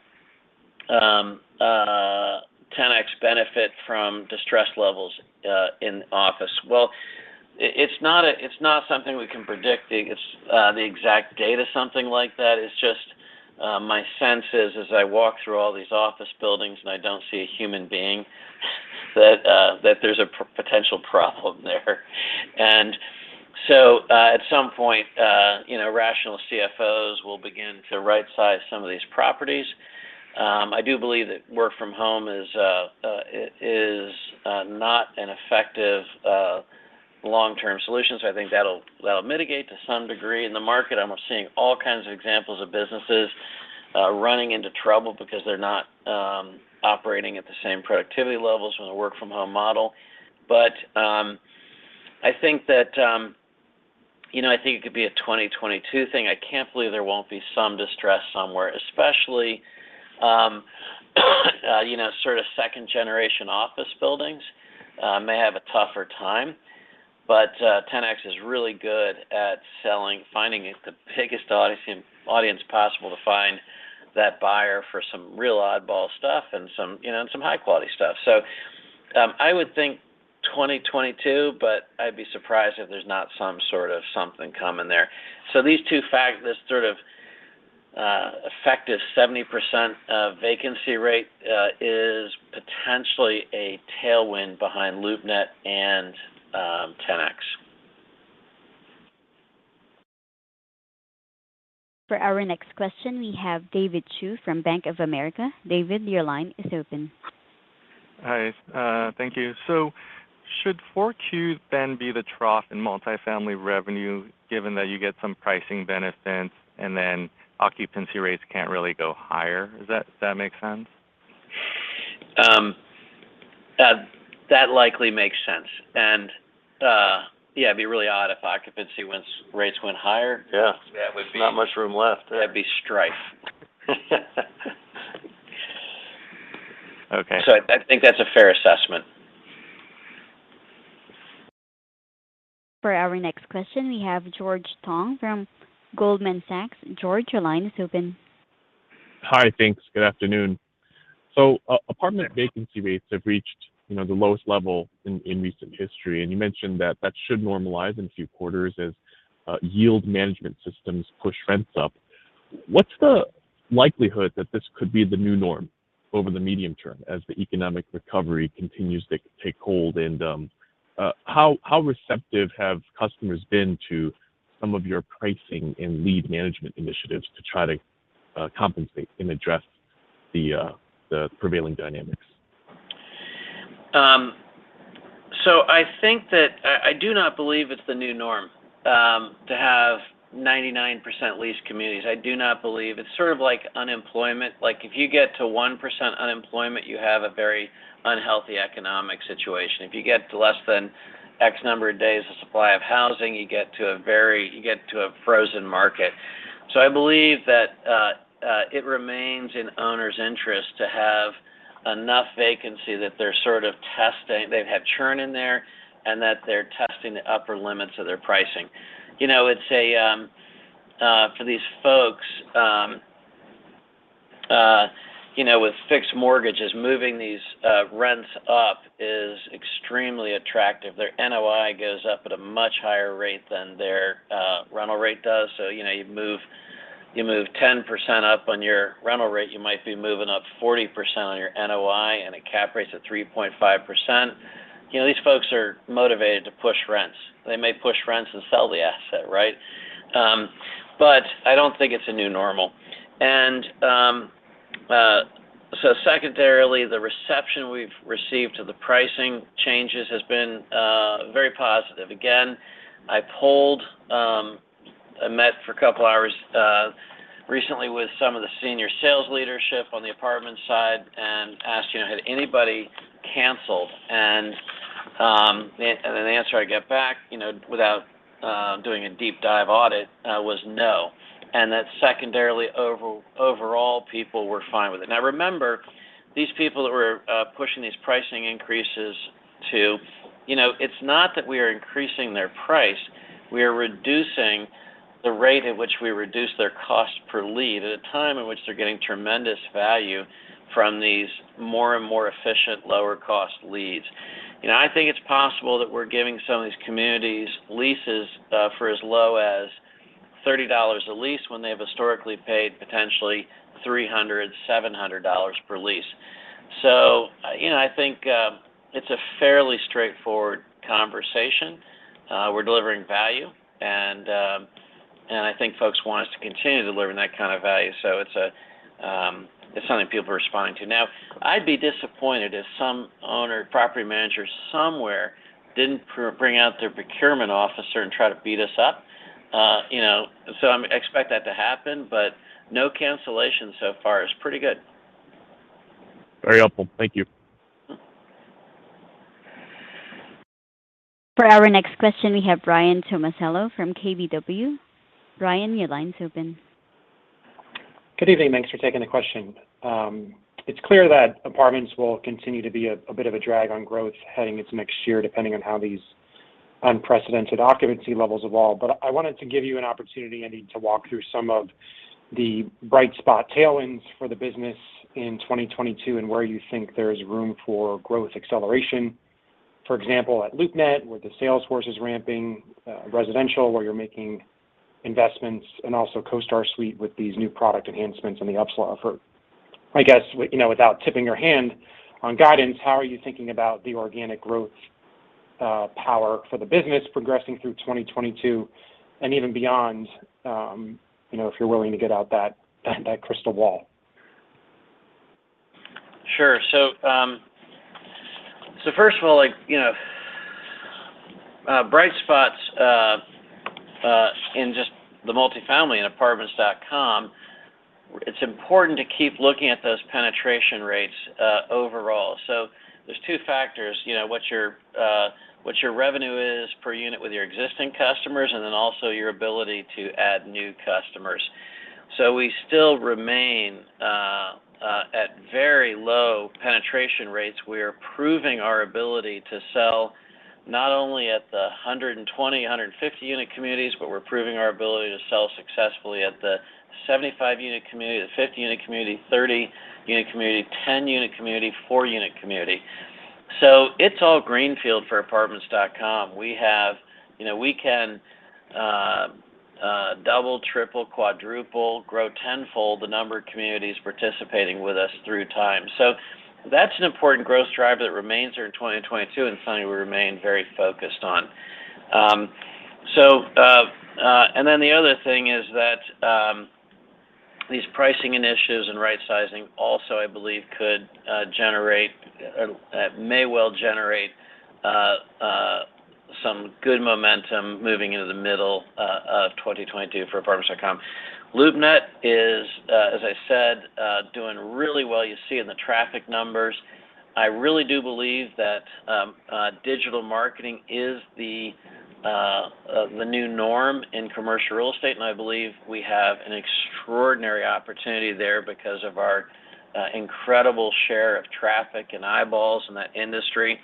Ten-X benefit from distress levels in office? Well, it's not something we can predict the exact date of something like that. It's just my sense is as I walk through all these office buildings and I don't see a human being that there's a potential problem there. At some point, you know, rational CFOs will begin to right size some of these properties. I do believe that work from home is not an effective long-term solution, so I think that'll mitigate to some degree. In the market, I'm seeing all kinds of examples of businesses running into trouble because they're not operating at the same productivity levels from the work from home model. I think that, you know, I think it could be a 2022 thing. I can't believe there won't be some distress somewhere, especially, you know, sort of second-generation office buildings may have a tougher time. Ten-X is really good at selling, finding the biggest audience possible to find that buyer for some real oddball stuff and some, you know, and some high-quality stuff. I would think 2022, but I'd be surprised if there's not some sort of something coming there. This sort of effective 70% vacancy rate is potentially a tailwind behind LoopNet and Ten-X. For our next question, we have David Chu from Bank of America. David, your line is open. Hi. Thank you. Should 4Q then be the trough in Multifamily revenue given that you get some pricing benefits and then occupancy rates can't really go higher? Does that make sense? That likely makes sense. Yeah, it'd be really odd if rates went higher. Yeah. That would be. Not much room left. That'd be strife. Okay. I think that's a fair assessment. For our next question, we have George Tong from Goldman Sachs. George, your line is open. Hi. Thanks. Good afternoon. Apartment vacancy rates have reached, you know, the lowest level in recent history, and you mentioned that should normalize in a few quarters as yield management systems push rents up. What's the likelihood that this could be the new norm over the medium term as the economic recovery continues to take hold? And how receptive have customers been to some of your pricing and lead management initiatives to try to compensate and address the prevailing dynamics? I think that I do not believe it's the new norm to have 99% leased communities. I do not believe. It's sort of like unemployment. Like, if you get to 1% unemployment, you have a very unhealthy economic situation. If you get to less than X number of days of supply of housing, you get to a frozen market. I believe that it remains in owners' interest to have enough vacancy that they're sort of testing, they've had churn in there, and that they're testing the upper limits of their pricing. You know, it's for these folks, you know, with fixed mortgages, moving these rents up is extremely attractive. Their NOI goes up at a much higher rate than their rental rate does. You know, you move 10% up on your rental rate, you might be moving up 40% on your NOI in a cap rate of 3.5%. You know, these folks are motivated to push rents. They may push rents and sell the asset, right? I don't think it's a new normal. Secondarily, the reception we've received to the pricing changes has been very positive. Again, I met for a couple of hours recently with some of the senior sales leadership on the apartment side and asked, you know, "Had anybody canceled?" The answer I get back, you know, without doing a deep dive audit, was no. That secondarily overall people were fine with it. Now remember, these people that we're pushing these pricing increases to, you know, it's not that we are increasing their price, we are reducing the rate at which we reduce their cost per lead at a time in which they're getting tremendous value from these more and more efficient lower cost leads. You know, I think it's possible that we're giving some of these communities leases for as low as $30 a lease when they have historically paid potentially $300-$700 per lease. You know, I think it's a fairly straightforward conversation. We're delivering value and I think folks want us to continue delivering that kind of value. It's something people are responding to. Now, I'd be disappointed if some owner or property manager somewhere didn't bring out their procurement officer and try to beat us up. You know, I expect that to happen, but no cancellation so far is pretty good. Very helpful. Thank you. For our next question, we have Ryan Tomasello from KBW. Ryan, your line's open. Good evening. Thanks for taking the question. It's clear that apartments will continue to be a bit of a drag on growth heading into next year depending on how these unprecedented occupancy levels evolve. I wanted to give you an opportunity, Andy, to walk through some of the bright spot tailwinds for the business in 2022 and where you think there's room for growth acceleration. For example, at LoopNet where the sales force is ramping, residential where you're making investments, and also CoStar Suite with these new product enhancements and the upsell offer. I guess, you know, without tipping your hand on guidance, how are you thinking about the organic growth power for the business progressing through 2022 and even beyond, you know, if you're willing to get out that crystal ball? Sure. First of all, like, you know, bright spots in just the Multifamily and Apartments.com, it's important to keep looking at those penetration rates overall. There's two factors. You know, what your revenue is per unit with your existing customers, and then also your ability to add new customers. We still remain at very low penetration rates. We are proving our ability to sell not only at the 120- and 150-unit communities, but we're proving our ability to sell successfully at the 75-unit community, the 50-unit community, 30-unit community, 10-unit community, four-unit community. It's all greenfield for Apartments.com. We have. You know, we can double, triple, quadruple, grow tenfold the number of communities participating with us through time. That's an important growth driver that remains there in 2022, and it's something we remain very focused on. The other thing is that these pricing initiatives and right sizing also, I believe, may well generate some good momentum moving into the middle of 2022 for Apartments.com. LoopNet is, as I said, doing really well. You see in the traffic numbers. I really do believe that digital marketing is the new norm in commercial real estate, and I believe we have an extraordinary opportunity there because of our incredible share of traffic and eyeballs in that industry.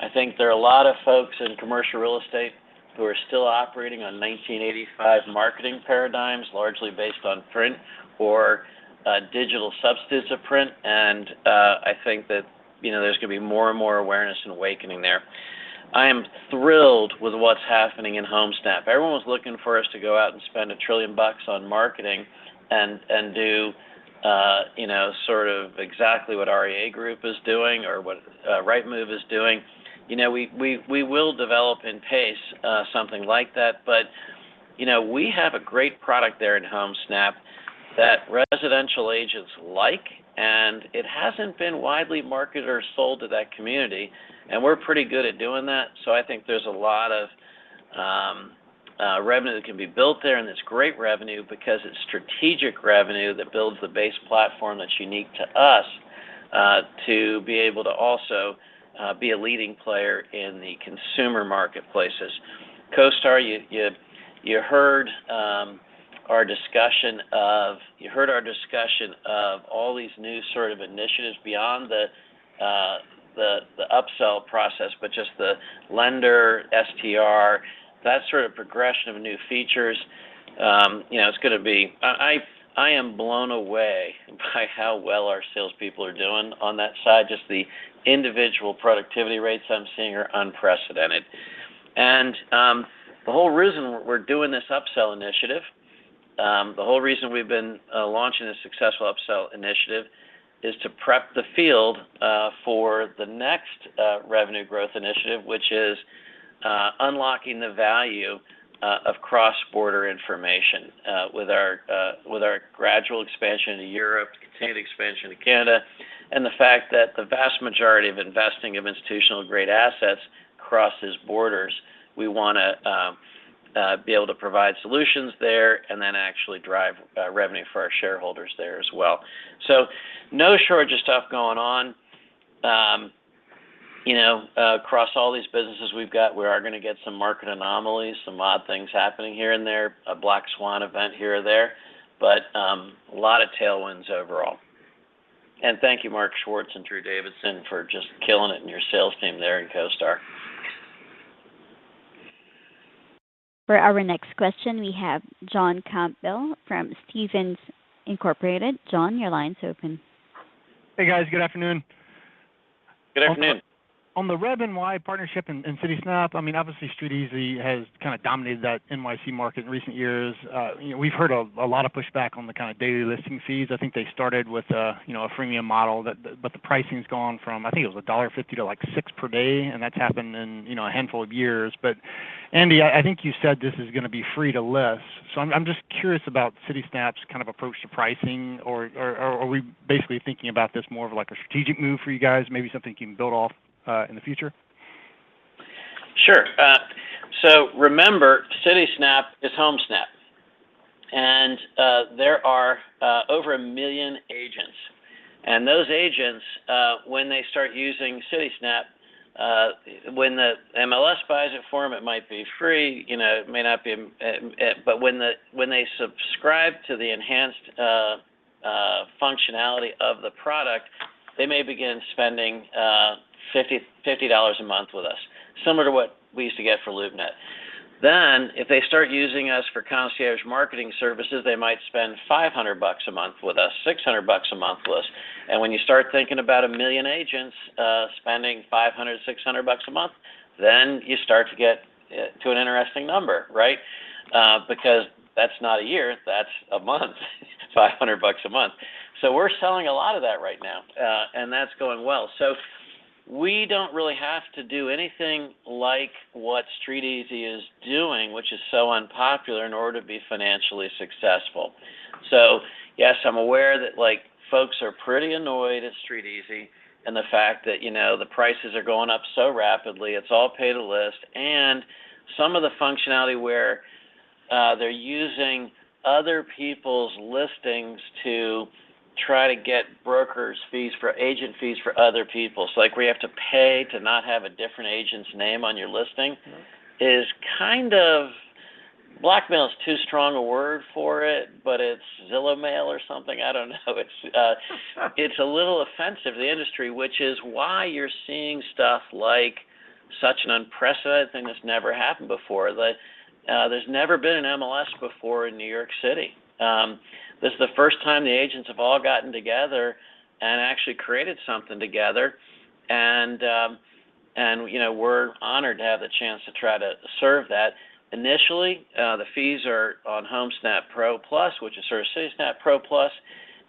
I think there are a lot of folks in commercial real estate who are still operating on 1985 marketing paradigms, largely based on print or digital substitutes of print. I think that, you know, there's gonna be more and more awareness and awakening there. I am thrilled with what's happening in Homesnap. Everyone was looking for us to go out and spend $1 trillion on marketing and do, you know, sort of exactly what REA Group is doing or what Rightmove is doing. You know, we will develop in pace something like that. You know, we have a great product there in Homesnap that residential agents like, and it hasn't been widely marketed or sold to that community, and we're pretty good at doing that. I think there's a lot of revenue that can be built there, and it's great revenue because it's strategic revenue that builds the base platform that's unique to us to be able to also be a leading player in the consumer marketplaces. CoStar, you heard our discussion of all these new sort of initiatives beyond the upsell process, but just the lender, STR, that sort of progression of new features. You know, I am blown away by how well our salespeople are doing on that side. Just the individual productivity rates I'm seeing are unprecedented. The whole reason we're doing this upsell initiative, the whole reason we've been launching this successful upsell initiative is to prep the field for the next revenue growth initiative, which is unlocking the value with our gradual expansion to Europe, continued expansion to Canada, and the fact that the vast majority of investing of institutional-grade assets crosses borders. We wanna be able to provide solutions there and then actually drive revenue for our shareholders there as well. So no shortage of stuff going on. You know, across all these businesses we've got, we are gonna get some market anomalies, some odd things happening here and there, a black swan event here or there, but a lot of tailwinds overall. Thank you, Marc Swartz and Dru Davidson, for just killing it in your sales team there in CoStar. For our next question, we have John Campbell from Stephens Inc. John, your line's open. Hey, guys. Good afternoon. Good afternoon. On the REBNY partnership and Citysnap, I mean, obviously StreetEasy has kind of dominated that NYC market in recent years. You know, we've heard a lot of pushback on the kind of daily listing fees. I think they started with a freemium model, but the pricing's gone from, I think it was $1.50 to, like, $6 per day, and that's happened in a handful of years. But Andy, I think you said this is gonna be free to list, so I'm just curious about Citysnap's kind of approach to pricing or are we basically thinking about this more of like a strategic move for you guys, maybe something you can build off in the future? Sure. So remember, Citysnap is Homesnap. There are over 1 million agents, and those agents, when they start using Citysnap, when the MLS buys it for them, it might be free, you know, it may not be. When they subscribe to the enhanced functionality of the product, they may begin spending $50 a month with us, similar to what we used to get for LoopNet. If they start using us for concierge marketing services, they might spend $500 bucks a month with us, $600 bucks a month with us. When you start thinking about 1 million agents, spending $500, $600 bucks a month, you start to get to an interesting number, right? Because that's not a year, that's a month, $500 bucks a month. We're selling a lot of that right now, and that's going well. We don't really have to do anything like what StreetEasy is doing, which is so unpopular, in order to be financially successful. Yes, I'm aware that, like, folks are pretty annoyed at StreetEasy and the fact that, you know, the prices are going up so rapidly, it's all pay to list. Some of the functionality where they're using other people's listings to try to get brokers fees for agent fees for other people. Like, we have to pay to not have a different agent's name on your listing. Mm-hmm It's kind of blackmail. Blackmail is too strong a word for it, but it's Zillow Mail or something. I don't know. It's a little offensive to the industry, which is why you're seeing stuff like such an unprecedented thing that's never happened before. There's never been an MLS before in New York City. This is the first time the agents have all gotten together and actually created something together and, you know, we're honored to have the chance to try to serve that. Initially, the fees are on Homesnap Pro+, which is sort of Citysnap Pro Plus,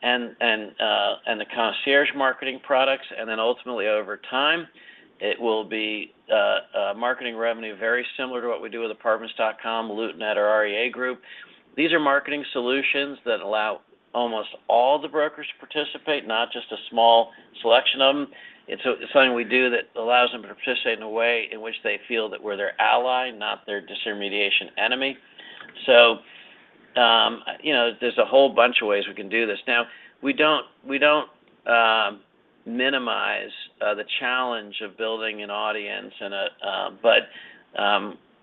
and the concierge marketing products. Then ultimately, over time, it will be marketing revenue very similar to what we do with apartments.com, LoopNet or REA Group. These are marketing solutions that allow almost all the brokers to participate, not just a small selection of them. It's something we do that allows them to participate in a way in which they feel that we're their ally, not their disintermediation enemy. You know, there's a whole bunch of ways we can do this. Now, we don't minimize the challenge of building an audience and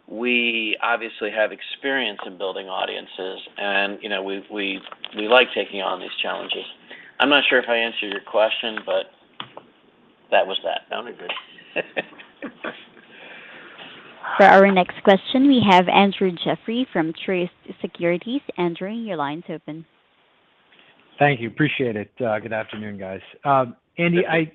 we obviously have experience in building audiences and, you know, we like taking on these challenges. I'm not sure if I answered your question, but that was that. No, I'm good. For our next question, we have Andrew Jeffrey from Truist Securities. Andrew, your line's open. Thank you. Appreciate it. Good afternoon, guys. Andy, I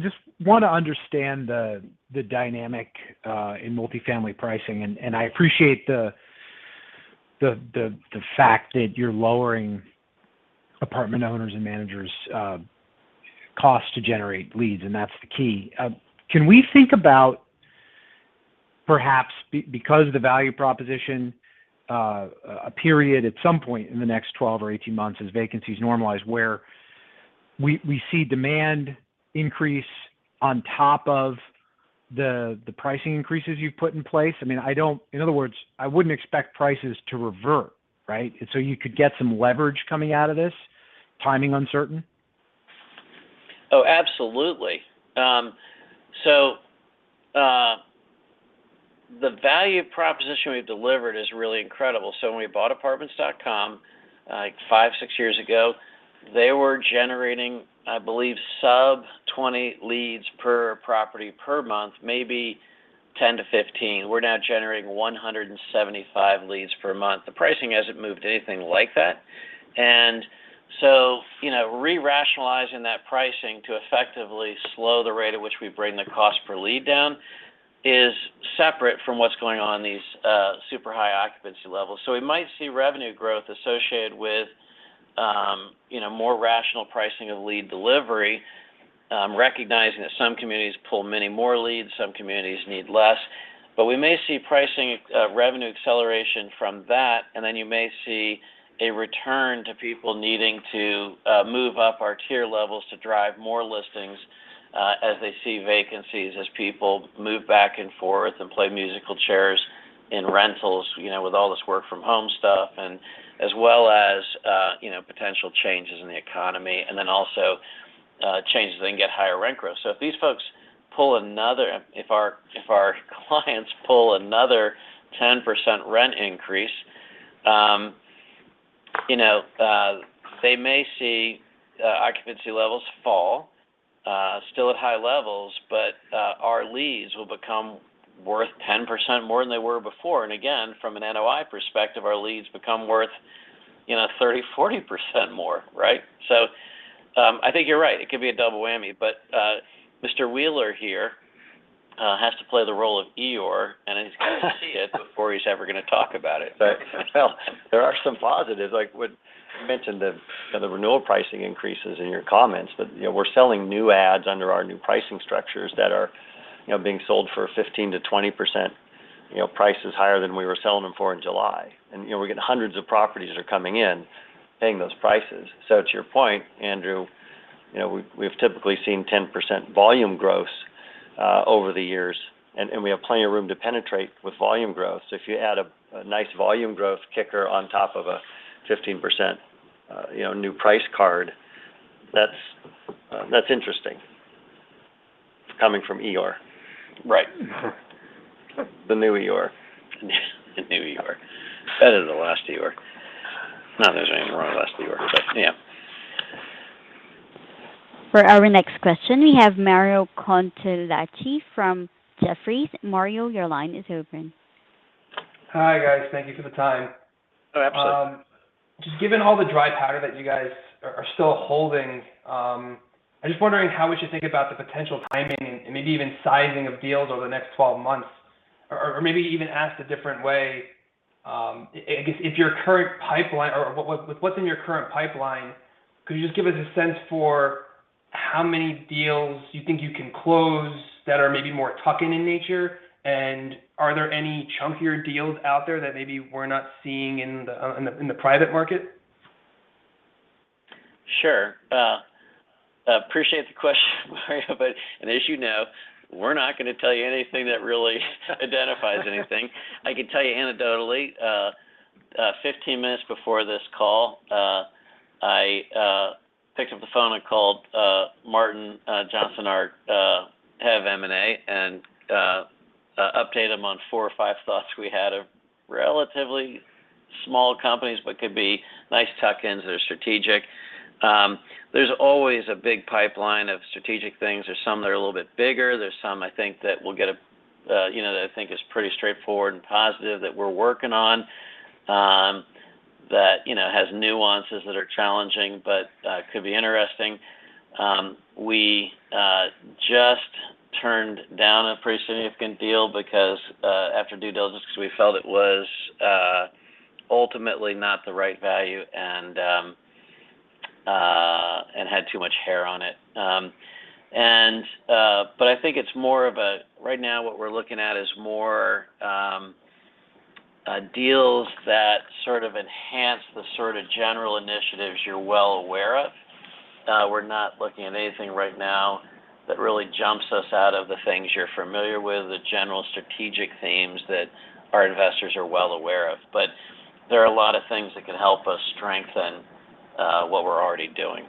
just wanna understand the dynamic in multifamily pricing. I appreciate the fact that you're lowering apartment owners' and managers' costs to generate leads, and that's the key. Can we think about perhaps because of the value proposition, a period at some point in the next 12 or 18 months as vacancies normalize, where we see demand increase on top of the pricing increases you've put in place? I mean, in other words, I wouldn't expect prices to revert, right? You could get some leverage coming out of this, timing uncertain. Oh, absolutely. The value proposition we've delivered is really incredible. When we bought Apartments.com, like five, six years ago, they were generating, I believe, sub 20 leads per property per month, maybe 10 to 15. We're now generating 175 leads per month. The pricing hasn't moved anything like that. You know, re-rationalizing that pricing to effectively slow the rate at which we bring the cost per lead down is separate from what's going on in these super high occupancy levels. We might see revenue growth associated with you know, more rational pricing of lead delivery, recognizing that some communities pull many more leads, some communities need less. We may see pricing revenue acceleration from that, and then you may see a return to people needing to move up our tier levels to drive more listings, as they see vacancies, as people move back and forth and play musical chairs in rentals, you know, with all this work from home stuff. As well as, you know, potential changes in the economy, and then also changes that can get higher rent growth. If our clients pull another 10% rent increase, you know, they may see occupancy levels fall, still at high levels, but our leads will become worth 10% more than they were before. Again, from an NOI perspective, our leads become worth, you know, 30, 40% more, right? I think you're right, it could be a double whammy. Mr. Wheeler here has to play the role of Eeyore, and he's got to see it before he's ever gonna talk about it. Well, there are some positives, like what you mentioned, the, you know, the renewal pricing increases in your comments. You know, we're selling new ads under our new pricing structures that are, you know, being sold for 15%-20%, you know, prices higher than we were selling them for in July. You know, we're getting hundreds of properties that are coming in paying those prices. To your point, Andrew, you know, we've typically seen 10% volume growth over the years, and we have plenty of room to penetrate with volume growth. If you add a nice volume growth kicker on top of a 15%, you know, new price card, that's interesting, coming from Eeyore. Right. The new Eeyore. Better than the last Eeyore. Not that there's anything wrong with the last Eeyore, but yeah. For our next question, we have Mario Cortellacci from Jefferies. Mario, your line is open. Hi, guys. Thank you for the time. Oh, absolutely. Just given all the dry powder that you guys are still holding, I'm just wondering how we should think about the potential timing and maybe even sizing of deals over the next 12 months. Or, maybe even asked a different way, if your current pipeline. Or what's in your current pipeline, could you just give us a sense for how many deals you think you can close that are maybe more tuck-in in nature? And are there any chunkier deals out there that maybe we're not seeing in the private market? Sure. I appreciate the question, Mario, but as you know, we're not gonna tell you anything that really identifies anything. I can tell you anecdotally, 15 minutes before this call, I picked up the phone and called Martin Johnson, our head of M&A, and updated him on four or five thoughts we had of relatively small companies but could be nice tuck-ins that are strategic. There's always a big pipeline of strategic things. There's some that are a little bit bigger. There's some I think that will get a, you know, that I think is pretty straightforward and positive that we're working on, that, you know, has nuances that are challenging but could be interesting. We just turned down a pretty significant deal because after due diligence, we felt it was ultimately not the right value and had too much hair on it. I think it's more of a right now, what we're looking at is more deals that sort of enhance the sort of general initiatives you're well aware of. We're not looking at anything right now that really jumps us out of the things you're familiar with, the general strategic themes that our investors are well aware of. There are a lot of things that can help us strengthen what we're already doing.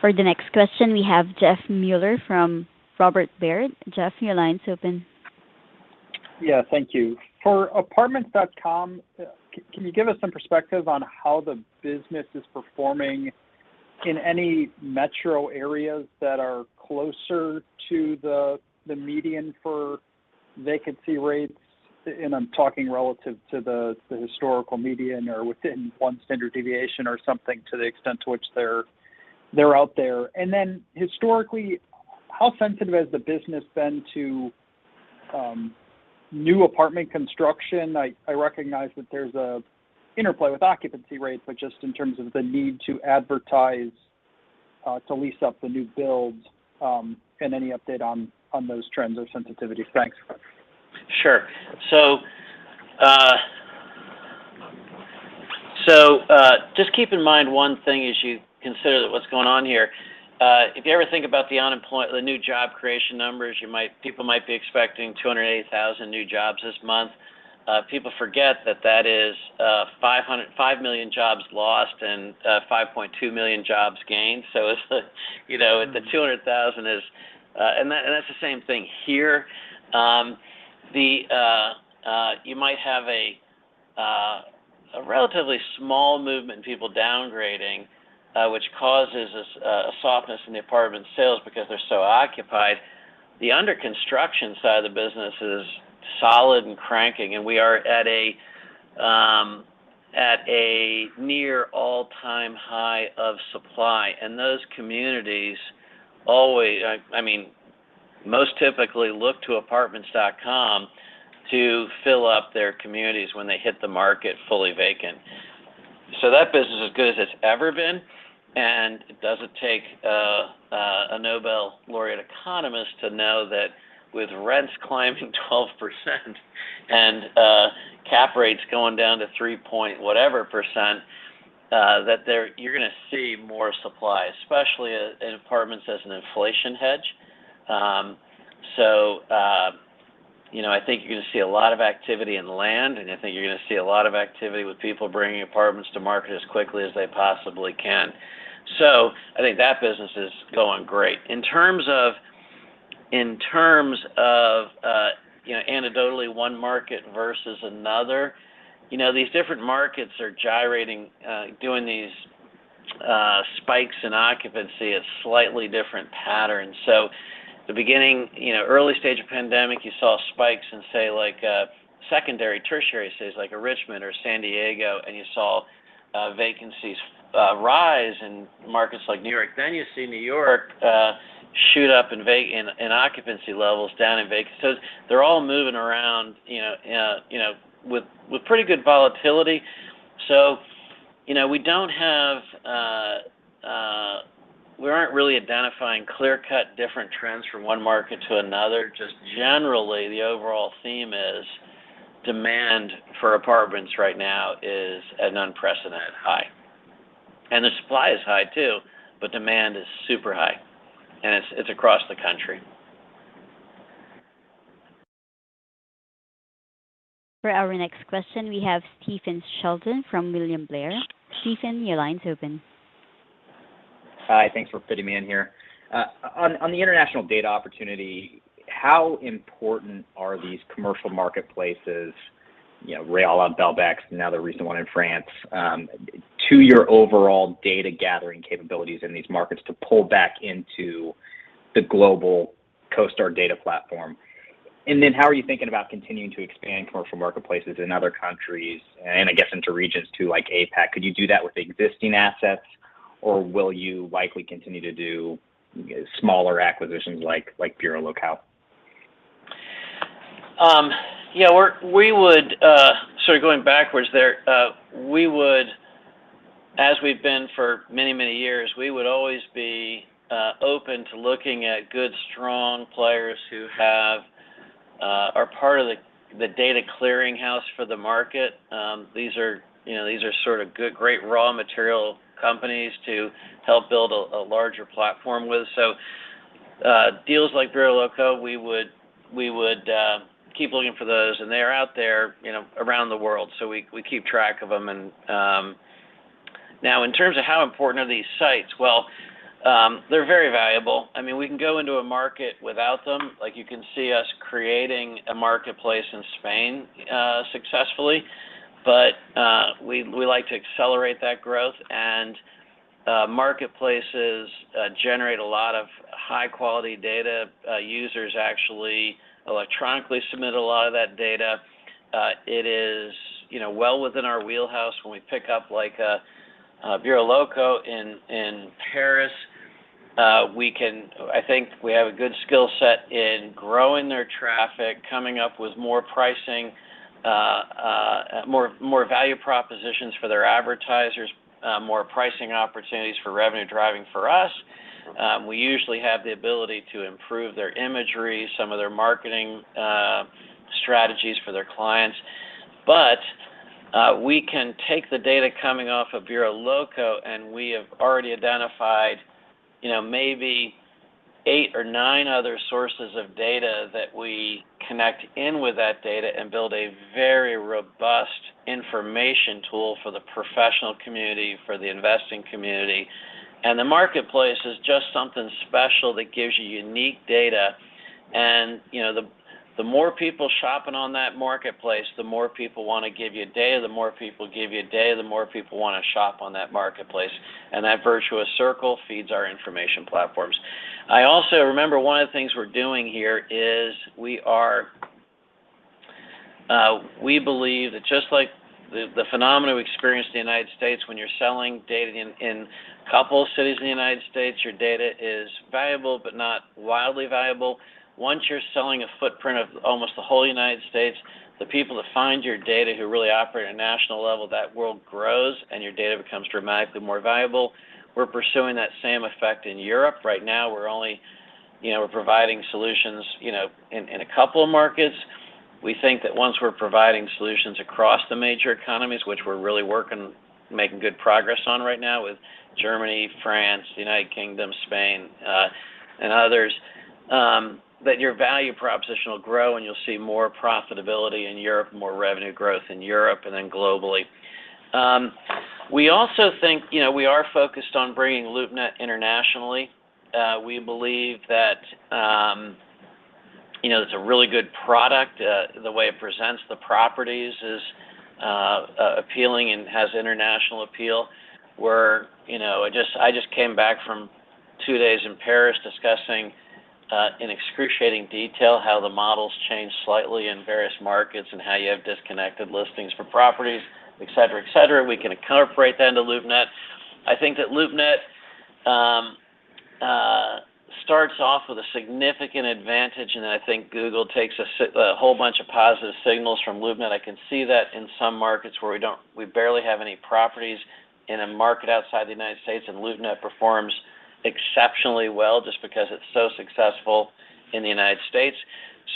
For the next question, we have Jeffrey Meuler from Robert W. Baird. Jeffrey, your line's open. Yeah. Thank you. For Apartments.com, can you give us some perspective on how the business is performing in any metro areas that are closer to the median for vacancy rates? I'm talking relative to the historical median or within one standard deviation or something to the extent to which they're out there. Then historically, how sensitive has the business been to new apartment construction? I recognize that there's a interplay with occupancy rates, but just in terms of the need to advertise to lease up the new builds, and any update on those trends or sensitivity. Thanks. Sure. Just keep in mind one thing as you consider what's going on here. If you ever think about the unemployment, the new job creation numbers, you might... People might be expecting 208,000 new jobs this month. People forget that is 505 million jobs lost and 5.2 million jobs gained. It's the 200,000 is. That's the same thing here. You might have a relatively small movement in people downgrading, which causes this softness in the apartment sales because they're so occupied. The under construction side of the business is solid and cranking, and we are at a near all-time high of supply. Those communities always, I mean, most typically look to Apartments.com to fill up their communities when they hit the market fully vacant. That business is as good as it's ever been, and it doesn't take a Nobel laureate economist to know that with rents climbing 12% and cap rates going down to three-point-whatever%, that you're gonna see more supply, especially in apartments as an inflation hedge. You know, I think you're gonna see a lot of activity in land, and I think you're gonna see a lot of activity with people bringing apartments to market as quickly as they possibly can. I think that business is going great. In terms of, you know, anecdotally, one market versus another, you know, these different markets are gyrating, doing these spikes in occupancy at slightly different patterns. The beginning, you know, early stage of pandemic, you saw spikes in, say, like, secondary, tertiary cities like Richmond or San Diego, and you saw vacancies rise in markets like New York. Then you see New York shoot up in vacancies, occupancy levels down in vacancies. They're all moving around, you know, with pretty good volatility. You know, we aren't really identifying clear-cut different trends from one market to another. Just generally, the overall theme is demand for apartments right now is at an unprecedented high. The supply is high too, but demand is super high, and it's across the country. For our next question, we have Stephen Sheldon from William Blair. Stephen, your line's open. Hi. Thanks for fitting me in here. On the international data opportunity, how important are these commercial marketplaces, you know, Realla, Belbex, now the recent one in France, to your overall data-gathering capabilities in these markets to pull back into the global CoStar data platform? Then how are you thinking about continuing to expand commercial marketplaces in other countries and, I guess, into regions too, like APAC? Could you do that with existing assets, or will you likely continue to do smaller acquisitions like BureauxLocaux? We would, as we've been for many, many years, always be open to looking at good, strong players who are part of the data clearing house for the market. These are, you know, sort of good, great raw material companies to help build a larger platform with. Deals like BureauxLocaux, we would keep looking for those. They are out there, you know, around the world, so we keep track of them. Now in terms of how important are these sites, they're very valuable. I mean, we can go into a market without them. Like, you can see us creating a marketplace in Spain successfully. We like to accelerate that growth, and marketplaces generate a lot of high-quality data. Users actually electronically submit a lot of that data. It is, you know, well within our wheelhouse when we pick up like a BureauxLocaux in Paris. We can. I think we have a good skill set in growing their traffic, coming up with more pricing, more value propositions for their advertisers, more pricing opportunities for revenue driving for us. We usually have the ability to improve their imagery, some of their marketing strategies for their clients. We can take the data coming off of BureauxLocaux, and we have already identified, you know, maybe eight or nine other sources of data that we connect in with that data and build a very robust information tool for the professional community, for the investing community. The marketplace is just something special that gives you unique data, and, you know, the more people shopping on that marketplace, the more people wanna give you data, the more people give you data, the more people wanna shop on that marketplace, and that virtuous circle feeds our information platforms. I also... Remember, one of the things we're doing here is we believe that just like the phenomenon we experienced in the United States when you're selling data in a couple of cities in the United States, your data is valuable but not wildly valuable. Once you're selling a footprint of almost the whole United States, the people that find your data who really operate on a national level, that world grows and your data becomes dramatically more valuable. We're pursuing that same effect in Europe. Right now, we're only, you know, we're providing solutions, you know, in a couple of markets. We think that once we're providing solutions across the major economies, which we're really working, making good progress on right now with Germany, France, the United Kingdom, Spain, and others, that your value proposition will grow and you'll see more profitability in Europe, more revenue growth in Europe, and then globally. We also think, you know, we are focused on bringing LoopNet internationally. We believe that, you know, it's a really good product. The way it presents the properties is appealing and has international appeal. We're, you know, I just came back from two days in Paris discussing in excruciating detail how the models change slightly in various markets and how you have disconnected listings from properties, et cetera, et cetera. We can incorporate that into LoopNet. I think that LoopNet starts off with a significant advantage, and then I think Google takes a whole bunch of positive signals from LoopNet. I can see that in some markets. We barely have any properties in a market outside the United States, and LoopNet performs exceptionally well just because it's so successful in the United States.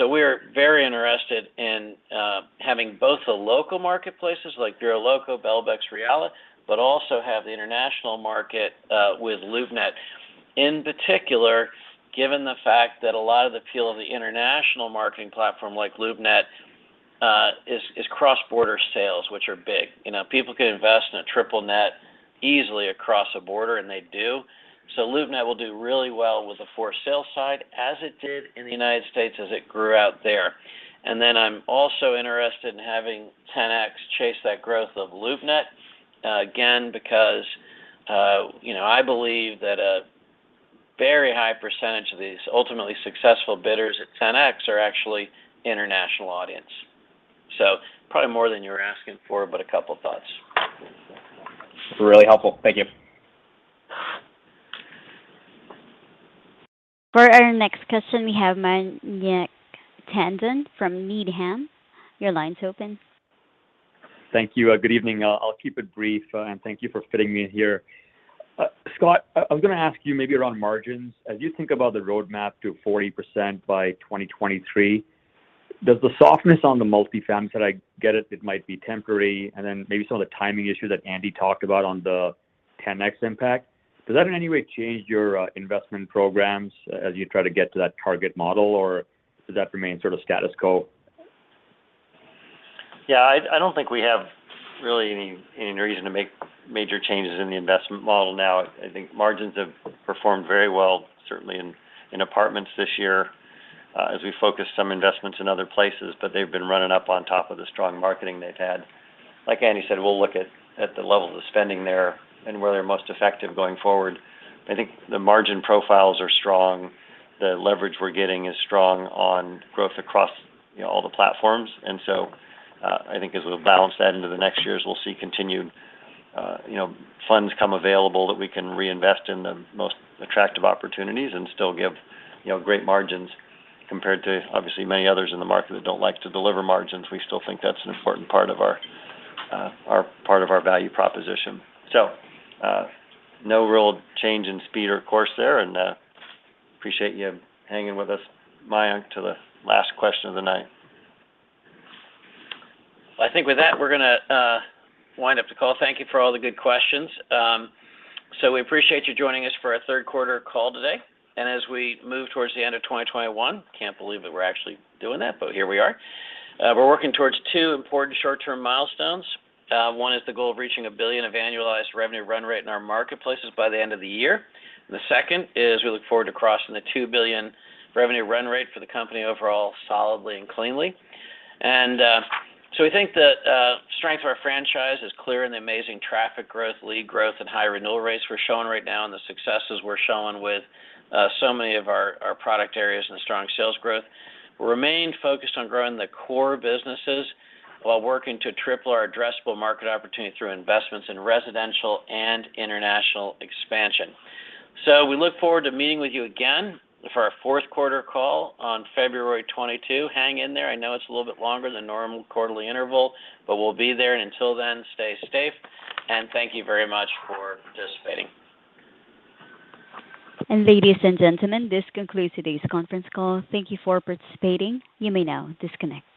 We're very interested in having both the local marketplaces like BureauxLocaux, Belbex, Realla, but also have the international market with LoopNet. In particular, given the fact that a lot of the appeal of the international marketing platform like LoopNet is cross-border sales, which are big. You know, people can invest in a triple net easily across a border, and they do. LoopNet will do really well with the for sale side as it did in the United States as it grew out there. I'm also interested in having Ten-X chase that growth of LoopNet, again because, you know, I believe that a very high percentage of these ultimately successful bidders at Ten-X are actually international audience. Probably more than you were asking for, but a couple thoughts. Really helpful. Thank you. For our next question, we have Mayank Tandon from Needham. Your line's open. Thank you. Good evening. I'll keep it brief, and thank you for fitting me in here. Scott, I was gonna ask you maybe around margins. As you think about the roadmap to 40% by 2023, does the softness on the multifamily, I get it might be temporary, and then maybe some of the timing issues that Andy talked about on the Ten-X impact, does that in any way change your investment programs as you try to get to that target model, or does that remain sort of status quo? Yeah. I don't think we have really any reason to make major changes in the investment model now. I think margins have performed very well, certainly in apartments this year, as we focus some investments in other places. But they've been running up on top of the strong marketing they've had. Like Andy said, we'll look at the levels of spending there and where they're most effective going forward. I think the margin profiles are strong. The leverage we're getting is strong on growth across you know all the platforms. I think as we'll balance that into the next years, we'll see continued you know funds come available that we can reinvest in the most attractive opportunities and still give you know great margins compared to obviously many others in the market that don't like to deliver margins. We still think that's an important part of our value proposition. No real change in speed or course there, and appreciate you hanging with us, Mayank, to the last question of the night. I think with that, we're gonna wind up the call. Thank you for all the good questions. We appreciate you joining us for our third quarter call today. As we move towards the end of 2021, can't believe that we're actually doing that, but here we are. We're working towards two important short-term milestones. One is the goal of reaching $1 billion annualized revenue run rate in our marketplaces by the end of the year. The second is we look forward to crossing the $2 billion revenue run rate for the company overall solidly and cleanly. We think the strength of our franchise is clear in the amazing traffic growth, lead growth, and high renewal rates we're showing right now and the successes we're showing with so many of our product areas and strong sales growth. We remain focused on growing the core businesses while working to triple our addressable market opportunity through investments in residential and international expansion. We look forward to meeting with you again for our fourth quarter call on February 2022. Hang in there. I know it's a little bit longer than normal quarterly interval, but we'll be there. Until then, stay safe, and thank you very much for participating. Ladies and gentlemen, this concludes today's conference call. Thank you for participating. You may now disconnect.